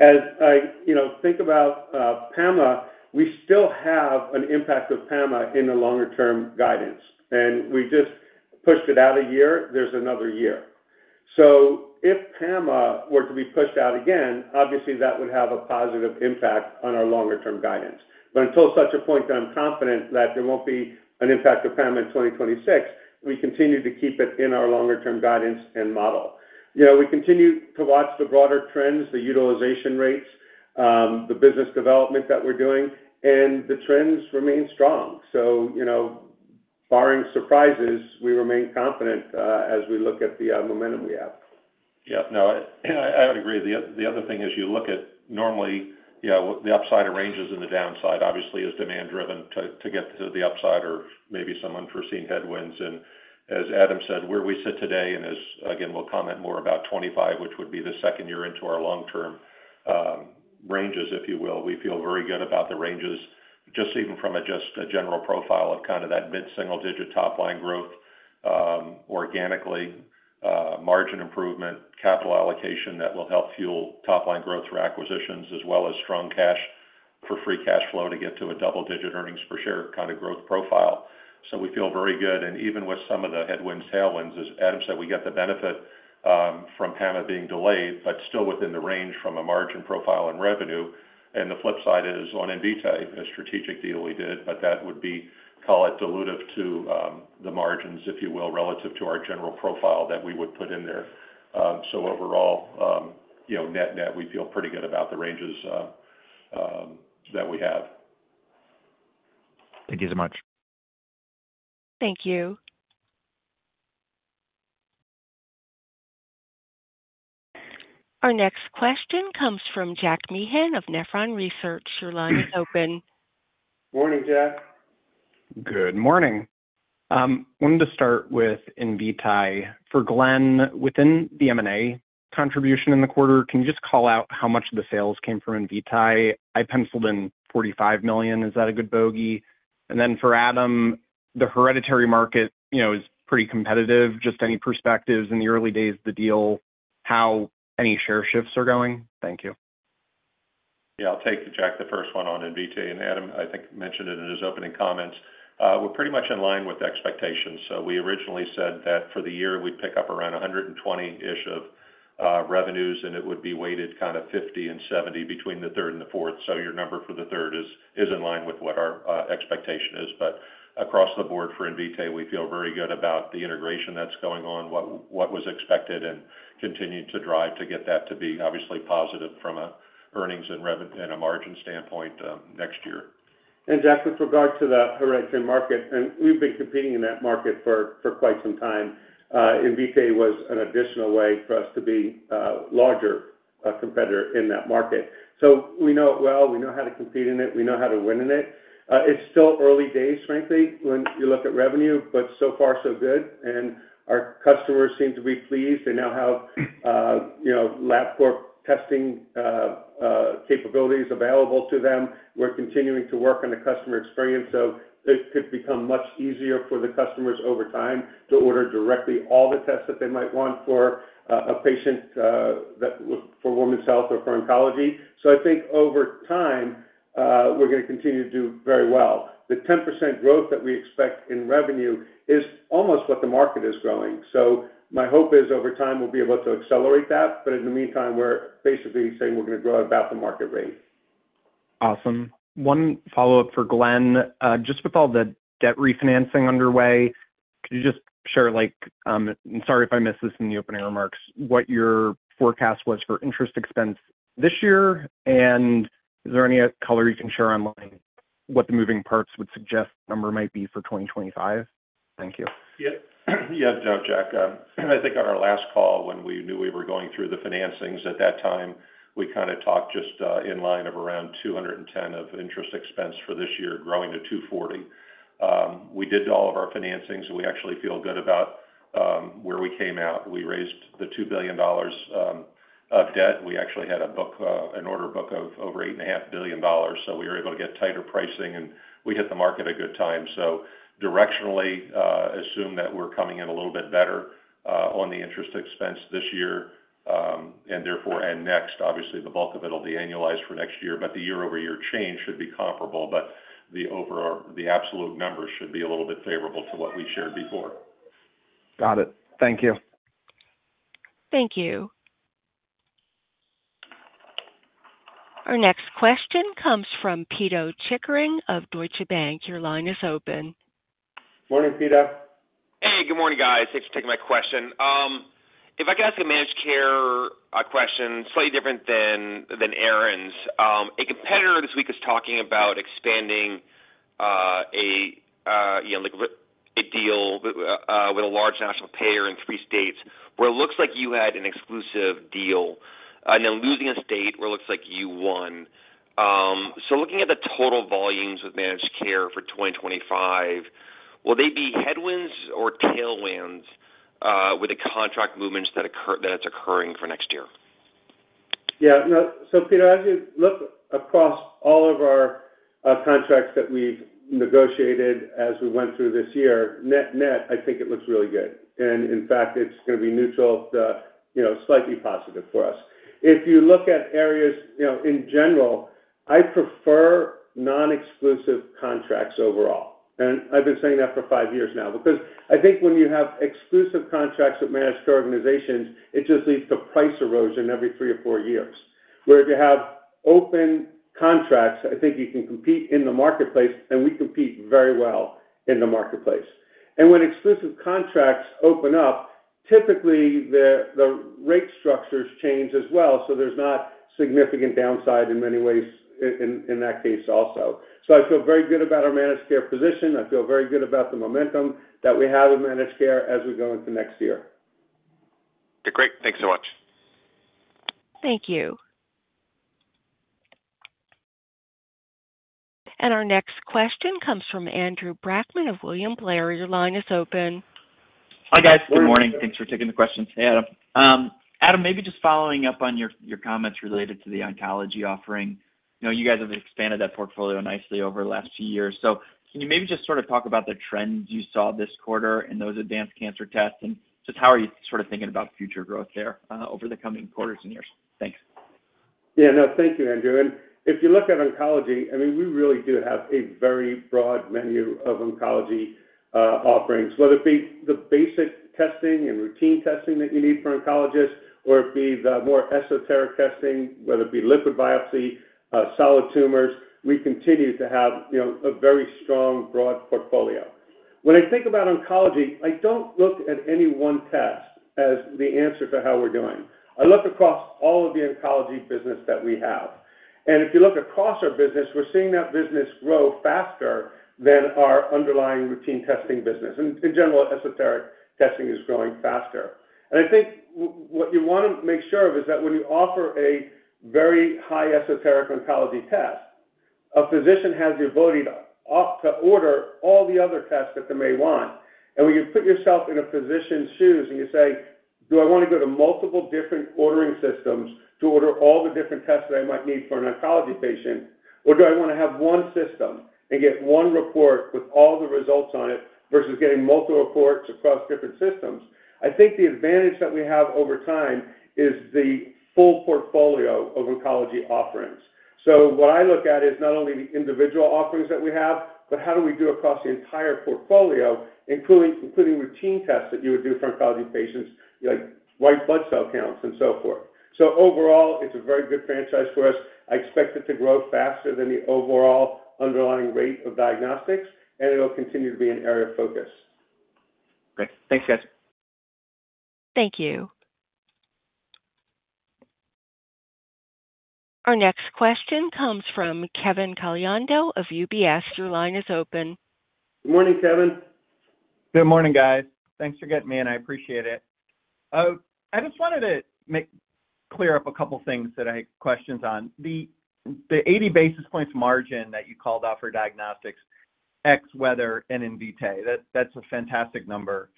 As I, you know, think about PAMA, we still have an impact of PAMA in the longer term guidance, and we just pushed it out a year. There's another year. So if PAMA were to be pushed out again, obviously that would have a positive impact on our longer term guidance. But until such a point that I'm confident that there won't be an impact of PAMA in 2026, we continue to keep it in our longer term guidance and model. You know, we continue to watch the broader trends, the utilization rates, the business development that we're doing, and the trends remain strong. So, you know, barring surprises, we remain confident, as we look at the momentum we have. Yeah. No, I would agree. The other thing is, you look at normally, you know, the upside ranges and the downside, obviously, is demand driven to get to the upside or maybe some unforeseen headwinds, and as Adam said, where we sit today, and as, again, we'll comment more about 2025, which would be the second year into our long-term ranges, if you will. We feel very good about the ranges, just even from a general profile of kind of that mid-single digit top line growth, organically, margin improvement, capital allocation that will help fuel top line growth through acquisitions, as well as strong cash for free cash flow to get to a double-digit earnings per share kind of growth profile. So we feel very good, and even with some of the headwinds, tailwinds, as Adam said, we get the benefit from PAMA being delayed, but still within the range from a margin profile and revenue, and the flip side is on Invitae, a strategic deal we did, but that would be, call it, dilutive to the margins, if you will, relative to our general profile that we would put in there. So overall, you know, net-net, we feel pretty good about the ranges that we have. Thank you so much. Thank you. Our next question comes from Jack Meehan of Nephron Research. Your line is open. Morning, Jack. Good morning. Wanted to start with Invitae. For Glenn, within the M&A contribution in the quarter, can you just call out how much of the sales came from Invitae? I penciled in $45 million. Is that a good bogey? And then for Adam, the hereditary market, you know, is pretty competitive. Just any perspectives in the early days of the deal, how any share shifts are going? Thank you. Yeah, I'll take, Jack, the first one on Invitae, and Adam, I think, mentioned it in his opening comments. We're pretty much in line with expectations. So we originally said that for the year, we'd pick up around $120 million of revenues, and it would be weighted kind of $50 million and $70 million between the third and the fourth. So your number for the third is in line with what our expectation is. But across the board for Invitae, we feel very good about the integration that's going on, what was expected, and continue to drive to get that to be obviously positive from a earnings and revenue and a margin standpoint next year. Jack, with regard to the hereditary market, and we've been competing in that market for quite some time. Invitae was an additional way for us to be a larger competitor in that market. So we know it well. We know how to compete in it. We know how to win in it. It's still early days, frankly, when you look at revenue, but so far so good, and our customers seem to be pleased. They now have, you know, Labcorp testing capabilities available to them. We're continuing to work on the customer experience, so this could become much easier for the customers over time to order directly all the tests that they might want for a patient that for women's health or for oncology. So I think over time, we're gonna continue to do very well. The 10% growth that we expect in revenue is almost what the market is growing. So my hope is over time, we'll be able to accelerate that, but in the meantime, we're basically saying we're gonna grow at about the market rate. Awesome. One follow-up for Glenn. Just with all the debt refinancing underway, could you just share, like, I'm sorry if I missed this in the opening remarks, what your forecast was for interest expense this year, and is there any color you can share on, like, what the moving parts would suggest number might be for twenty twenty-five? Thank you. Yeah. Yeah, Jack, I think on our last call, when we knew we were going through the financings at that time, we kind of talked just, in line of around $210 million of interest expense for this year, growing to $240 million. We did all of our financings, and we actually feel good about, where we came out. We raised the $2 billion of debt. We actually had a book, an order book of over $8.5 billion, so we were able to get tighter pricing, and we hit the market a good time. So directionally, assume that we're coming in a little bit better, on the interest expense this year, and therefore, and next. Obviously, the bulk of it will be annualized for next year, but the year-over-year change should be comparable, but the overall, the absolute numbers should be a little bit favorable to what we shared before. Got it. Thank you. Thank you. Our next question comes from Pito Chickering of Deutsche Bank. Your line is open. Morning, Pito. Hey, good morning, guys. Thanks for taking my question. If I could ask a managed care question, slightly different than Aaron's. A competitor this week is talking about expanding, you know, like, a deal with a large national payer in three states, where it looks like you had an exclusive deal, and then losing a state where it looks like you won. So looking at the total volumes of managed care for twenty twenty-five, will they be headwinds or tailwinds with the contract movements that occur, that's occurring for next year? Yeah, no. So Pito, as you look across all of our contracts that we've negotiated as we went through this year, net-net, I think it looks really good. And in fact, it's going to be neutral to, you know, slightly positive for us. If you look at areas, you know, in general, I prefer non-exclusive contracts overall, and I've been saying that for five years now. Because I think when you have exclusive contracts with managed care organizations, it just leads to price erosion every three or four years. Where if you have open contracts, I think you can compete in the marketplace, and we compete very well in the marketplace. And when exclusive contracts open up, typically, the rate structures change as well, so there's not significant downside in many ways in that case also. So I feel very good about our managed care position. I feel very good about the momentum that we have in managed care as we go into next year. Great. Thanks so much. Thank you. Our next question comes from Andrew Brackmann of William Blair. Your line is open. Hi, guys. Good morning. Morning, Andrew. Thanks for taking the question. Hey, Adam. Adam, maybe just following up on your comments related to the oncology offering. You know, you guys have expanded that portfolio nicely over the last two years. So can you maybe just sort of talk about the trends you saw this quarter in those advanced cancer tests? And just how are you sort of thinking about future growth there, over the coming quarters and years? Thanks. Yeah. No, thank you, Andrew. And if you look at oncology, I mean, we really do have a very broad menu of oncology offerings. Whether it be the basic testing and routine testing that you need for oncologists, or it be the more esoteric testing, whether it be liquid biopsy, solid tumors, we continue to have, you know, a very strong, broad portfolio. When I think about oncology, I don't look at any one test as the answer to how we're doing. I look across all of the oncology business that we have. And if you look across our business, we're seeing that business grow faster than our underlying routine testing business. In general, esoteric testing is growing faster. And I think what you want to make sure of is that when you offer a very high esoteric oncology test, a physician has the ability to order all the other tests that they may want. And when you put yourself in a physician's shoes and you say: Do I want to go to multiple different ordering systems to order all the different tests that I might need for an oncology patient, or do I want to have one system and get one report with all the results on it versus getting multiple reports across different systems? I think the advantage that we have over time is the full portfolio of oncology offerings. So what I look at is not only the individual offerings that we have, but how do we do across the entire portfolio, including routine tests that you would do for oncology patients, like white blood cell counts and so forth. So overall, it's a very good franchise for us. I expect it to grow faster than the overall underlying rate of Diagnostics, and it'll continue to be an area of focus. Great. Thanks, guys. Thank you. Our next question comes from Kevin Caliendo of UBS. Your line is open. Good morning, Kevin. Good morning, guys. Thanks for getting me in, I appreciate it. I just wanted to make clear up a couple of things that I had questions on. The eighty basis points margin that you called out for Diagnostics, ex-weather and Invitae, that's a fantastic number.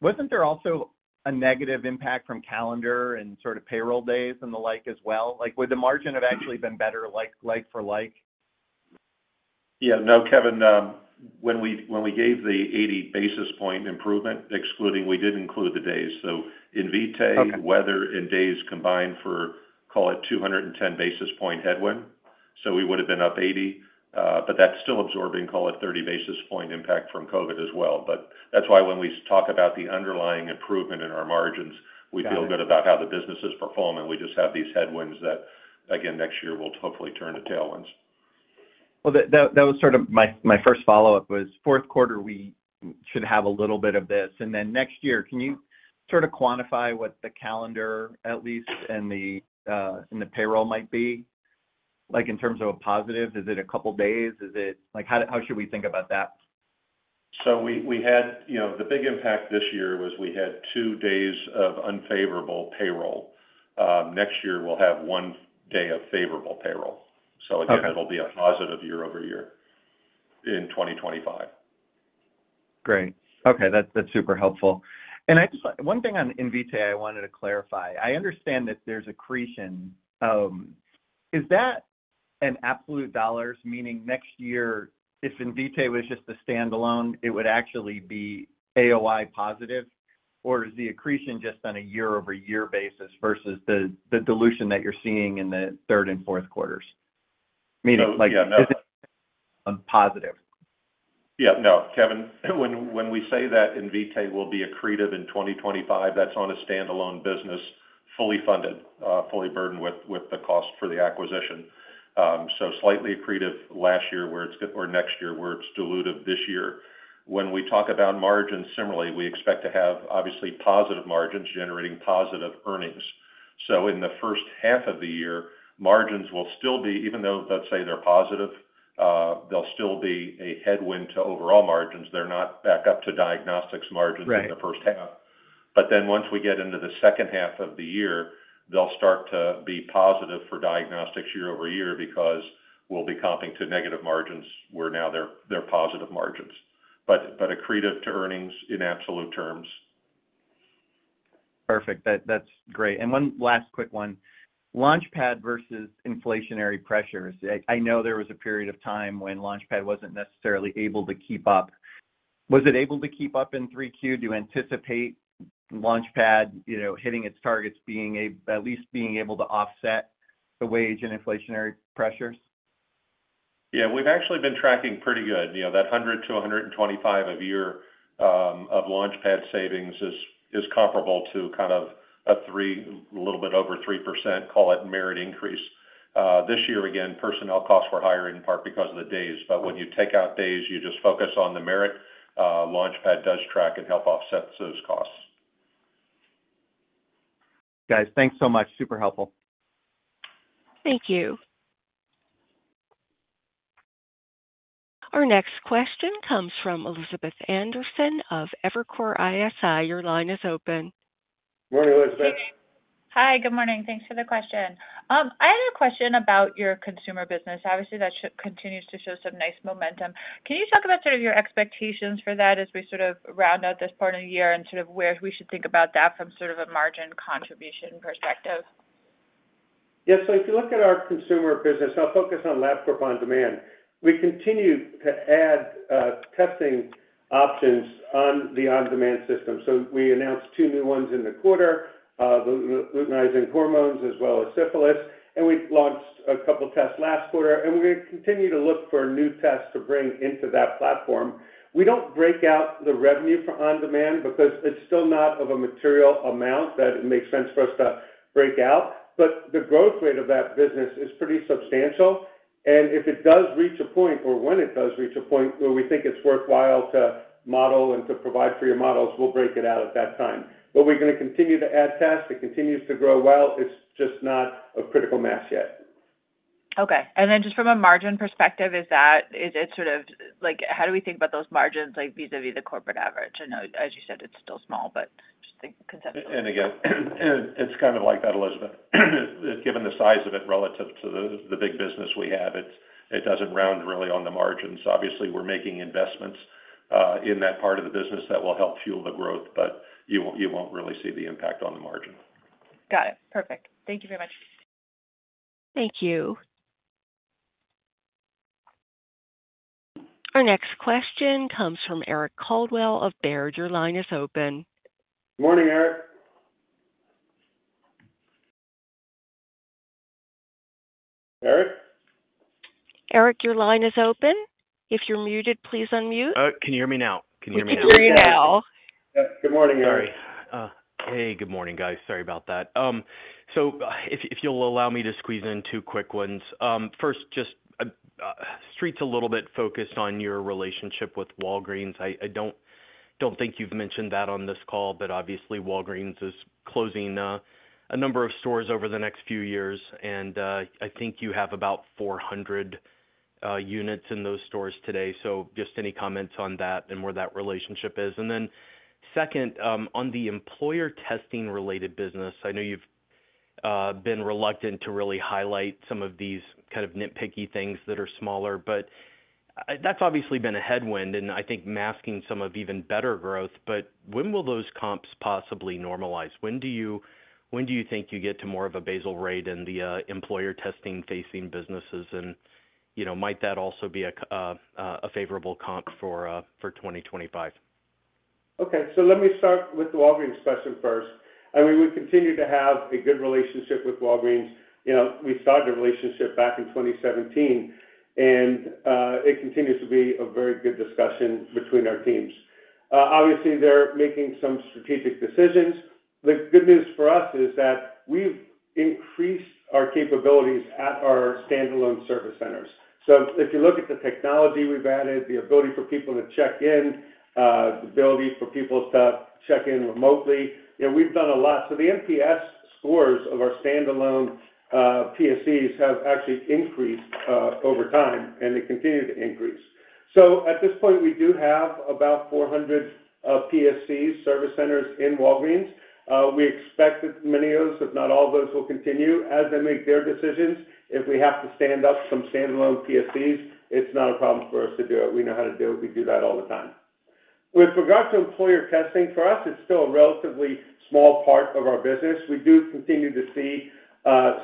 Wasn't there also a negative impact from calendar and sort of payroll days and the like as well? Like, would the margin have actually been better, like for like? Yeah. No, Kevin, when we gave the eighty basis point improvement, excluding, we did include the days. So Invitae- Okay. weather and days combined for, call it 210 basis points headwind. So we would have been up 80, but that's still absorbing, call it 30 basis points impact from COVID as well. But that's why when we talk about the underlying improvement in our margins- Got it. We feel good about how the business is performing. We just have these headwinds that, again, next year, will hopefully turn to tailwinds. Well, that was sort of my first follow-up, was fourth quarter, we should have a little bit of this. And then next year, can you sort of quantify what the calendar, at least, and the payroll might be? Like, in terms of a positive, is it a couple of days? Is it—like, how should we think about that? You know, the big impact this year was we had two days of unfavorable payroll. Next year, we'll have one day of favorable payroll. Okay. So again, it'll be a positive year over year in 2025. Great. Okay, that's, that's super helpful. And I just. One thing on Invitae I wanted to clarify. I understand that there's accretion. Is that an absolute dollars, meaning next year, if Invitae was just a standalone, it would actually be AOI positive, or is the accretion just on a year-over-year basis versus the dilution that you're seeing in the third and fourth quarters? So, yeah, no- Meaning, like, is it a positive?... Yeah, no, Kevin, when we say that Invitae will be accretive in 2025, that's on a standalone business, fully funded, fully burdened with the cost for the acquisition. So slightly accretive next year, where it's dilutive this year. When we talk about margins, similarly, we expect to have, obviously, positive margins generating positive earnings. So in the first half of the year, margins will still be, even though, let's say, they're positive, they'll still be a headwind to overall margins. They're not back up to Diagnostics margins. Right. in the first half. But then once we get into the second half of the year, they'll start to be positive for Diagnostics year over year because we'll be comping to negative margins, where now they're positive margins. But accretive to earnings in absolute terms. Perfect. That, that's great. And one last quick one: LaunchPad versus inflationary pressures. I know there was a period of time when LaunchPad wasn't necessarily able to keep up. Was it able to keep up in 3Q? Do you anticipate LaunchPad, you know, hitting its targets, being at least able to offset the wage and inflationary pressures? Yeah, we've actually been tracking pretty good. You know, that 100 to 125 of year of LaunchPad savings is comparable to kind of a 3, a little bit over 3%, call it merit increase. This year, again, personnel costs were higher, in part because of the days. But when you take out days, you just focus on the merit, LaunchPad does track and help offset those costs. Guys, thanks so much. Super helpful. Thank you. Our next question comes from Elizabeth Anderson of Evercore ISI. Your line is open. Morning, Elizabeth. Hi, good morning. Thanks for the question. I had a question about your consumer business. Obviously, that continues to show some nice momentum. Can you talk about sort of your expectations for that as we sort of round out this part of the year and sort of where we should think about that from sort of a margin contribution perspective? Yes. So if you look at our consumer business, I'll focus on Labcorp OnDemand. We continue to add testing options on the OnDemand system. So we announced two new ones in the quarter, luteinizing hormone as well as syphilis, and we launched a couple tests last quarter, and we're gonna continue to look for new tests to bring into that platform. We don't break out the revenue for OnDemand because it's still not of a material amount that it makes sense for us to break out. But the growth rate of that business is pretty substantial, and if it does reach a point, or when it does reach a point, where we think it's worthwhile to model and to provide for your models, we'll break it out at that time. But we're gonna continue to add tests. It continues to grow well. It's just not a critical mass yet. Okay. Then just from a margin perspective, is it sort of... like, how do we think about those margins, like, vis-à-vis the corporate average? I know, as you said, it's still small, but just think conceptually. Again, it's kind of like that, Elizabeth. Given the size of it relative to the big business we have, it doesn't round really on the margins. Obviously, we're making investments in that part of the business that will help fuel the growth, but you won't really see the impact on the margin. Got it. Perfect. Thank you very much. Thank you. Our next question comes from Eric Coldwell of Baird. Your line is open. Morning, Eric. Eric? Eric, your line is open. If you're muted, please unmute. Can you hear me now? Can you hear me now? We can hear you now. Yes, good morning, Eric. Sorry. Hey, good morning, guys. Sorry about that. So if you'll allow me to squeeze in two quick ones. First, just, Street's a little bit focused on your relationship with Walgreens. I don't think you've mentioned that on this call, but obviously, Walgreens is closing a number of stores over the next few years, and I think you have about 400 units in those stores today. So just any comments on that and where that relationship is. And then second, on the employer testing related business, I know you've been reluctant to really highlight some of these kind of nitpicky things that are smaller, but that's obviously been a headwind, and I think masking some of even better growth. But when will those comps possibly normalize? When do you think you get to more of a basal rate in the employer testing facing businesses? And, you know, might that also be a favorable comp for twenty twenty-five? Okay, so let me start with the Walgreens question first. I mean, we continue to have a good relationship with Walgreens. You know, we started the relationship back in 2017, and it continues to be a very good discussion between our teams. Obviously, they're making some strategic decisions. The good news for us is that we've increased our capabilities at our standalone service centers. So if you look at the technology we've added, the ability for people to check in, the ability for people to check in remotely, you know, we've done a lot. So the NPS scores of our standalone PSCs have actually increased over time, and they continue to increase. So at this point, we do have about 400 PSC service centers in Walgreens. We expect that many of those, if not all of those, will continue. As they make their decisions, if we have to stand up some standalone PSCs, it's not a problem for us to do it. We know how to do it. We do that all the time. With regards to employer testing, for us, it's still a relatively small part of our business. We do continue to see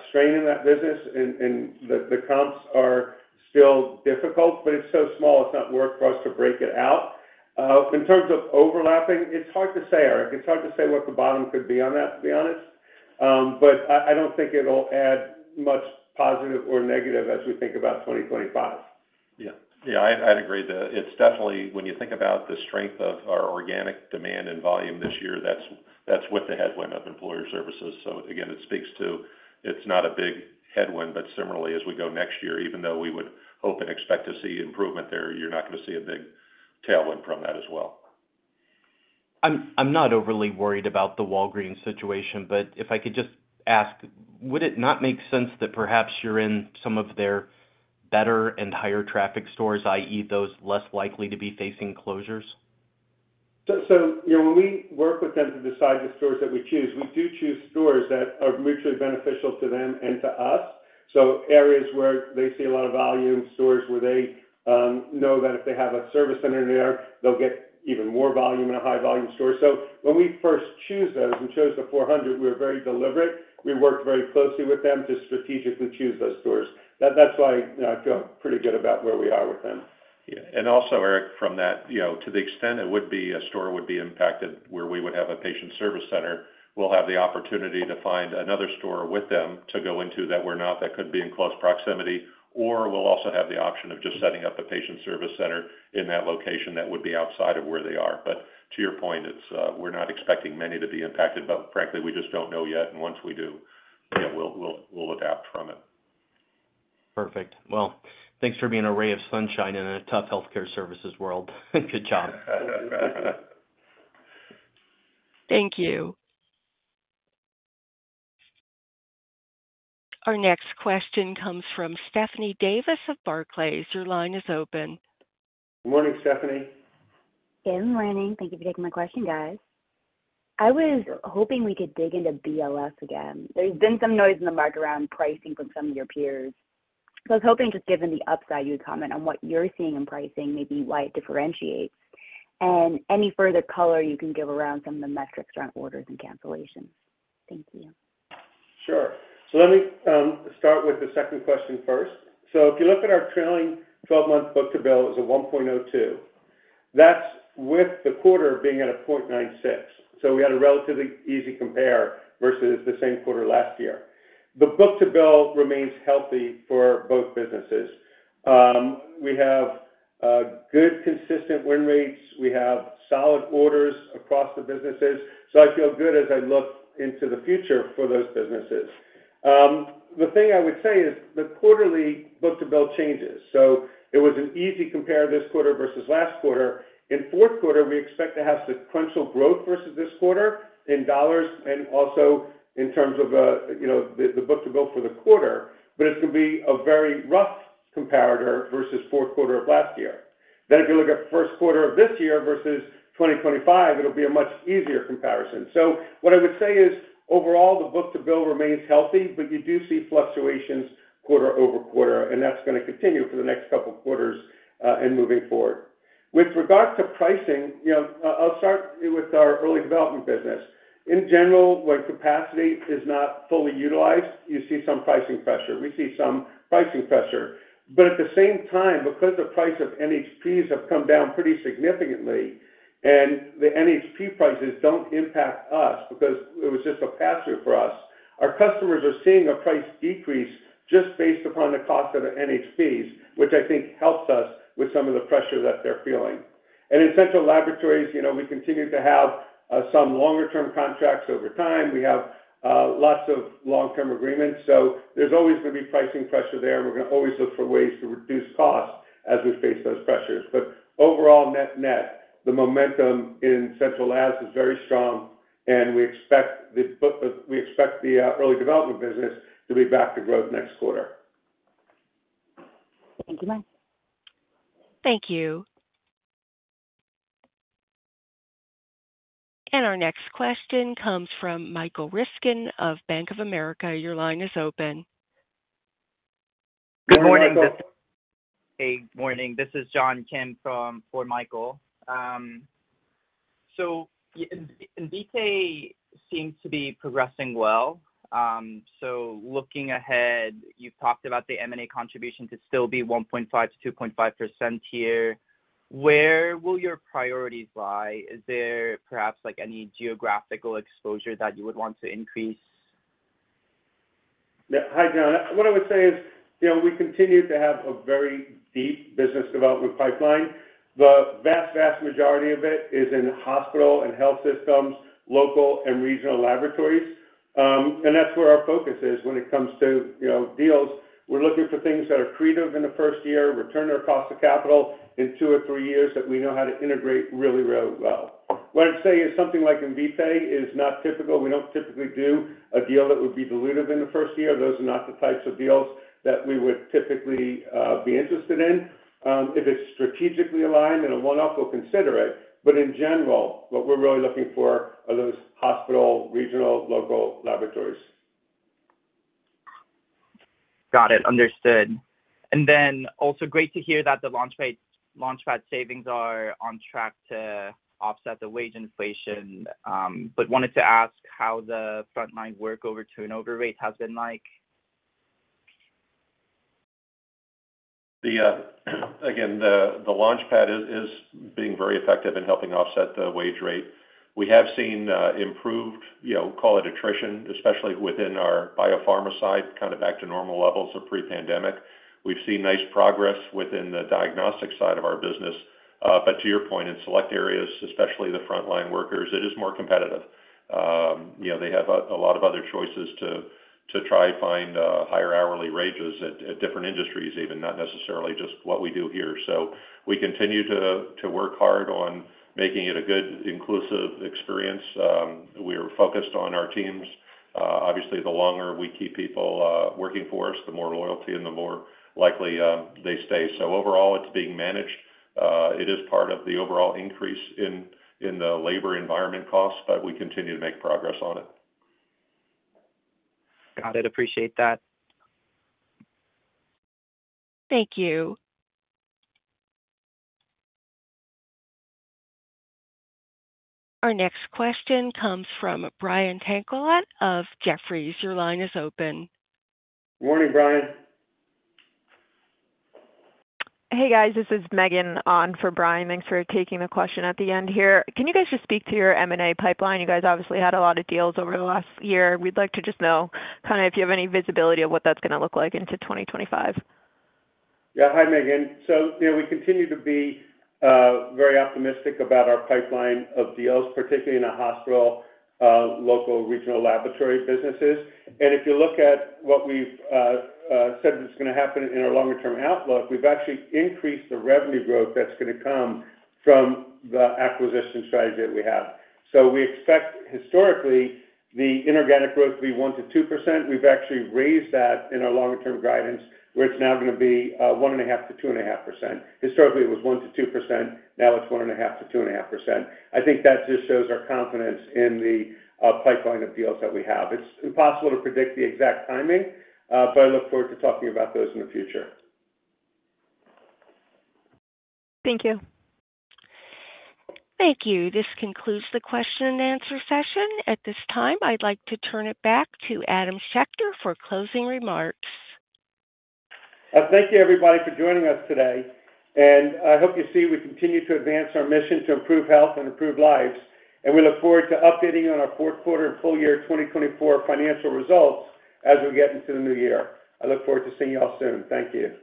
strain in that business and the comps are still difficult, but it's so small, it's not worth for us to break it out. In terms of overlapping, it's hard to say, Eric. It's hard to say what the bottom could be on that, to be honest. But I don't think it'll add much positive or negative as we think about 2025. Yeah. Yeah, I'd agree that it's definitely, when you think about the strength of our organic demand and volume this year, that's with the headwind of employer services. So again, it speaks to it's not a big headwind, but similarly, as we go next year, even though we would hope and expect to see improvement there, you're not gonna see a big tailwind from that as well. I'm not overly worried about the Walgreens situation, but if I could just ask: Would it not make sense that perhaps you're in some of their better and higher traffic stores, i.e., those less likely to be facing closures? So, you know, when we work with them to decide the stores that we choose, we do choose stores that are mutually beneficial to them and to us. So areas where they see a lot of volume, stores where they know that if they have a service center there, they'll get even more volume in a high volume store. So when we first choose those, we chose the 400, we were very deliberate. We worked very closely with them to strategically choose those stores. That's why, you know, I feel pretty good about where we are with them. Yeah. And also, Eric, from that, you know, to the extent it would be a store would be impacted, where we would have a patient service center, we'll have the opportunity to find another store with them to go into that we're not, that could be in close proximity, or we'll also have the option of just setting up a patient service center in that location that would be outside of where they are. But to your point, it's we're not expecting many to be impacted, but frankly, we just don't know yet. And once we do, you know, we'll adapt from it. Perfect. Well, thanks for being a ray of sunshine in a tough healthcare services world. Good job. Thank you. Our next question comes from Stephanie Davis of Barclays. Your line is open. Good morning, Stephanie. Good morning. Thank you for taking my question, guys. I was hoping we could dig into BLS again. There's been some noise in the market around pricing from some of your peers. I was hoping, just given the upside, you would comment on what you're seeing in pricing, maybe why it differentiates, and any further color you can give around some of the metrics around orders and cancellations. Thank you. Sure. So let me start with the second question first. So if you look at our trailing twelve-month book-to-bill, it's a one point zero two. That's with the quarter being at a point nine six. So we had a relatively easy compare versus the same quarter last year. The book-to-bill remains healthy for both businesses. We have good, consistent win rates. We have solid orders across the businesses, so I feel good as I look into the future for those businesses. The thing I would say is the quarterly book-to-bill changes, so it was an easy compare this quarter versus last quarter. In fourth quarter, we expect to have sequential growth versus this quarter in dollars and also in terms of you know, the book-to-bill for the quarter, but it's gonna be a very rough comparator versus fourth quarter of last year. Then, if you look at first quarter of this year versus twenty twenty-five, it'll be a much easier comparison. So what I would say is, overall, the book-to-bill remains healthy, but you do see fluctuations quarter over quarter, and that's gonna continue for the next couple of quarters, and moving forward. With regard to pricing, you know, I'll start with our Early Development business. In general, when capacity is not fully utilized, you see some pricing pressure. We see some pricing pressure. But at the same time, because the price of NHPs have come down pretty significantly, and the NHP prices don't impact us because it was just a pass-through for us, our customers are seeing a price decrease just based upon the cost of the NHPs, which I think helps us with some of the pressure that they're feeling. In Central Laboratories, you know, we continue to have some longer term contracts over time. We have lots of long-term agreements, so there's always gonna be pricing pressure there. We're gonna always look for ways to reduce costs as we face those pressures. But overall, net-net, the momentum in Central Labs is very strong, and we expect the Early Development business to be back to growth next quarter. Thank you, Mike. Thank you. And our next question comes from Michael Ryskin of Bank of America. Your line is open. Good morning- Hey, morning. This is John Kim from, for Michael. So Invitae seems to be progressing well. So looking ahead, you've talked about the M&A contribution to still be 1.5%-2.5% here. Where will your priorities lie? Is there perhaps, like, any geographical exposure that you would want to increase? Yeah. Hi, John. What I would say is, you know, we continue to have a very deep business development pipeline. The vast, vast majority of it is in hospital and health systems, local and regional laboratories, and that's where our focus is when it comes to, you know, deals. We're looking for things that are accretive in the first year, return our cost of capital in two or three years, that we know how to integrate really, really well. What I'd say is something like Invitae is not typical. We don't typically do a deal that would be dilutive in the first year. Those are not the types of deals that we would typically be interested in. If it's strategically aligned, in a one-off, we'll consider it. But in general, what we're really looking for are those hospital, regional, local laboratories. Got it. Understood. And then also, great to hear that the LaunchPad savings are on track to offset the wage inflation, but wanted to ask how the frontline worker turnover rate has been like?... The, again, the LaunchPad is being very effective in helping offset the wage rate. We have seen improved, you know, call it attrition, especially within our Biopharma side, kind of back to normal levels of pre-pandemic. We've seen nice progress within the diagnostic side of our business. But to your point, in select areas, especially the frontline workers, it is more competitive. You know, they have a lot of other choices to try and find higher hourly wages at different industries even, not necessarily just what we do here. So we continue to work hard on making it a good, inclusive experience. We are focused on our teams. Obviously, the longer we keep people working for us, the more loyalty and the more likely they stay. So overall, it's being managed. It is part of the overall increase in the labor environment costs, but we continue to make progress on it. Got it. Appreciate that. Thank you. Our next question comes from Brian Tanquilut of Jefferies. Your line is open. Morning, Brian. Hey, guys, this is Megan on for Brian. Thanks for taking the question at the end here. Can you guys just speak to your M&A pipeline? You guys obviously had a lot of deals over the last year. We'd like to just know, kind of, if you have any visibility of what that's gonna look like into twenty twenty-five. Yeah. Hi, Megan. So, you know, we continue to be very optimistic about our pipeline of deals, particularly in the hospital local, regional laboratory businesses. And if you look at what we've said was gonna happen in our longer term outlook, we've actually increased the revenue growth that's gonna come from the acquisition strategy that we have. So we expect, historically, the inorganic growth to be 1%-2%. We've actually raised that in our longer term guidance, where it's now gonna be 1.5%-2.5%. Historically, it was 1%-2%, now it's 1.5%-2.5%. I think that just shows our confidence in the pipeline of deals that we have. It's impossible to predict the exact timing, but I look forward to talking about those in the future. Thank you. Thank you. This concludes the question and answer session. At this time, I'd like to turn it back to Adam Schechter for closing remarks. Thank you, everybody, for joining us today, and I hope you see we continue to advance our mission to improve health and improve lives, and we look forward to updating you on our fourth quarter and full year twenty twenty-four financial results as we get into the new year. I look forward to seeing you all soon. Thank you.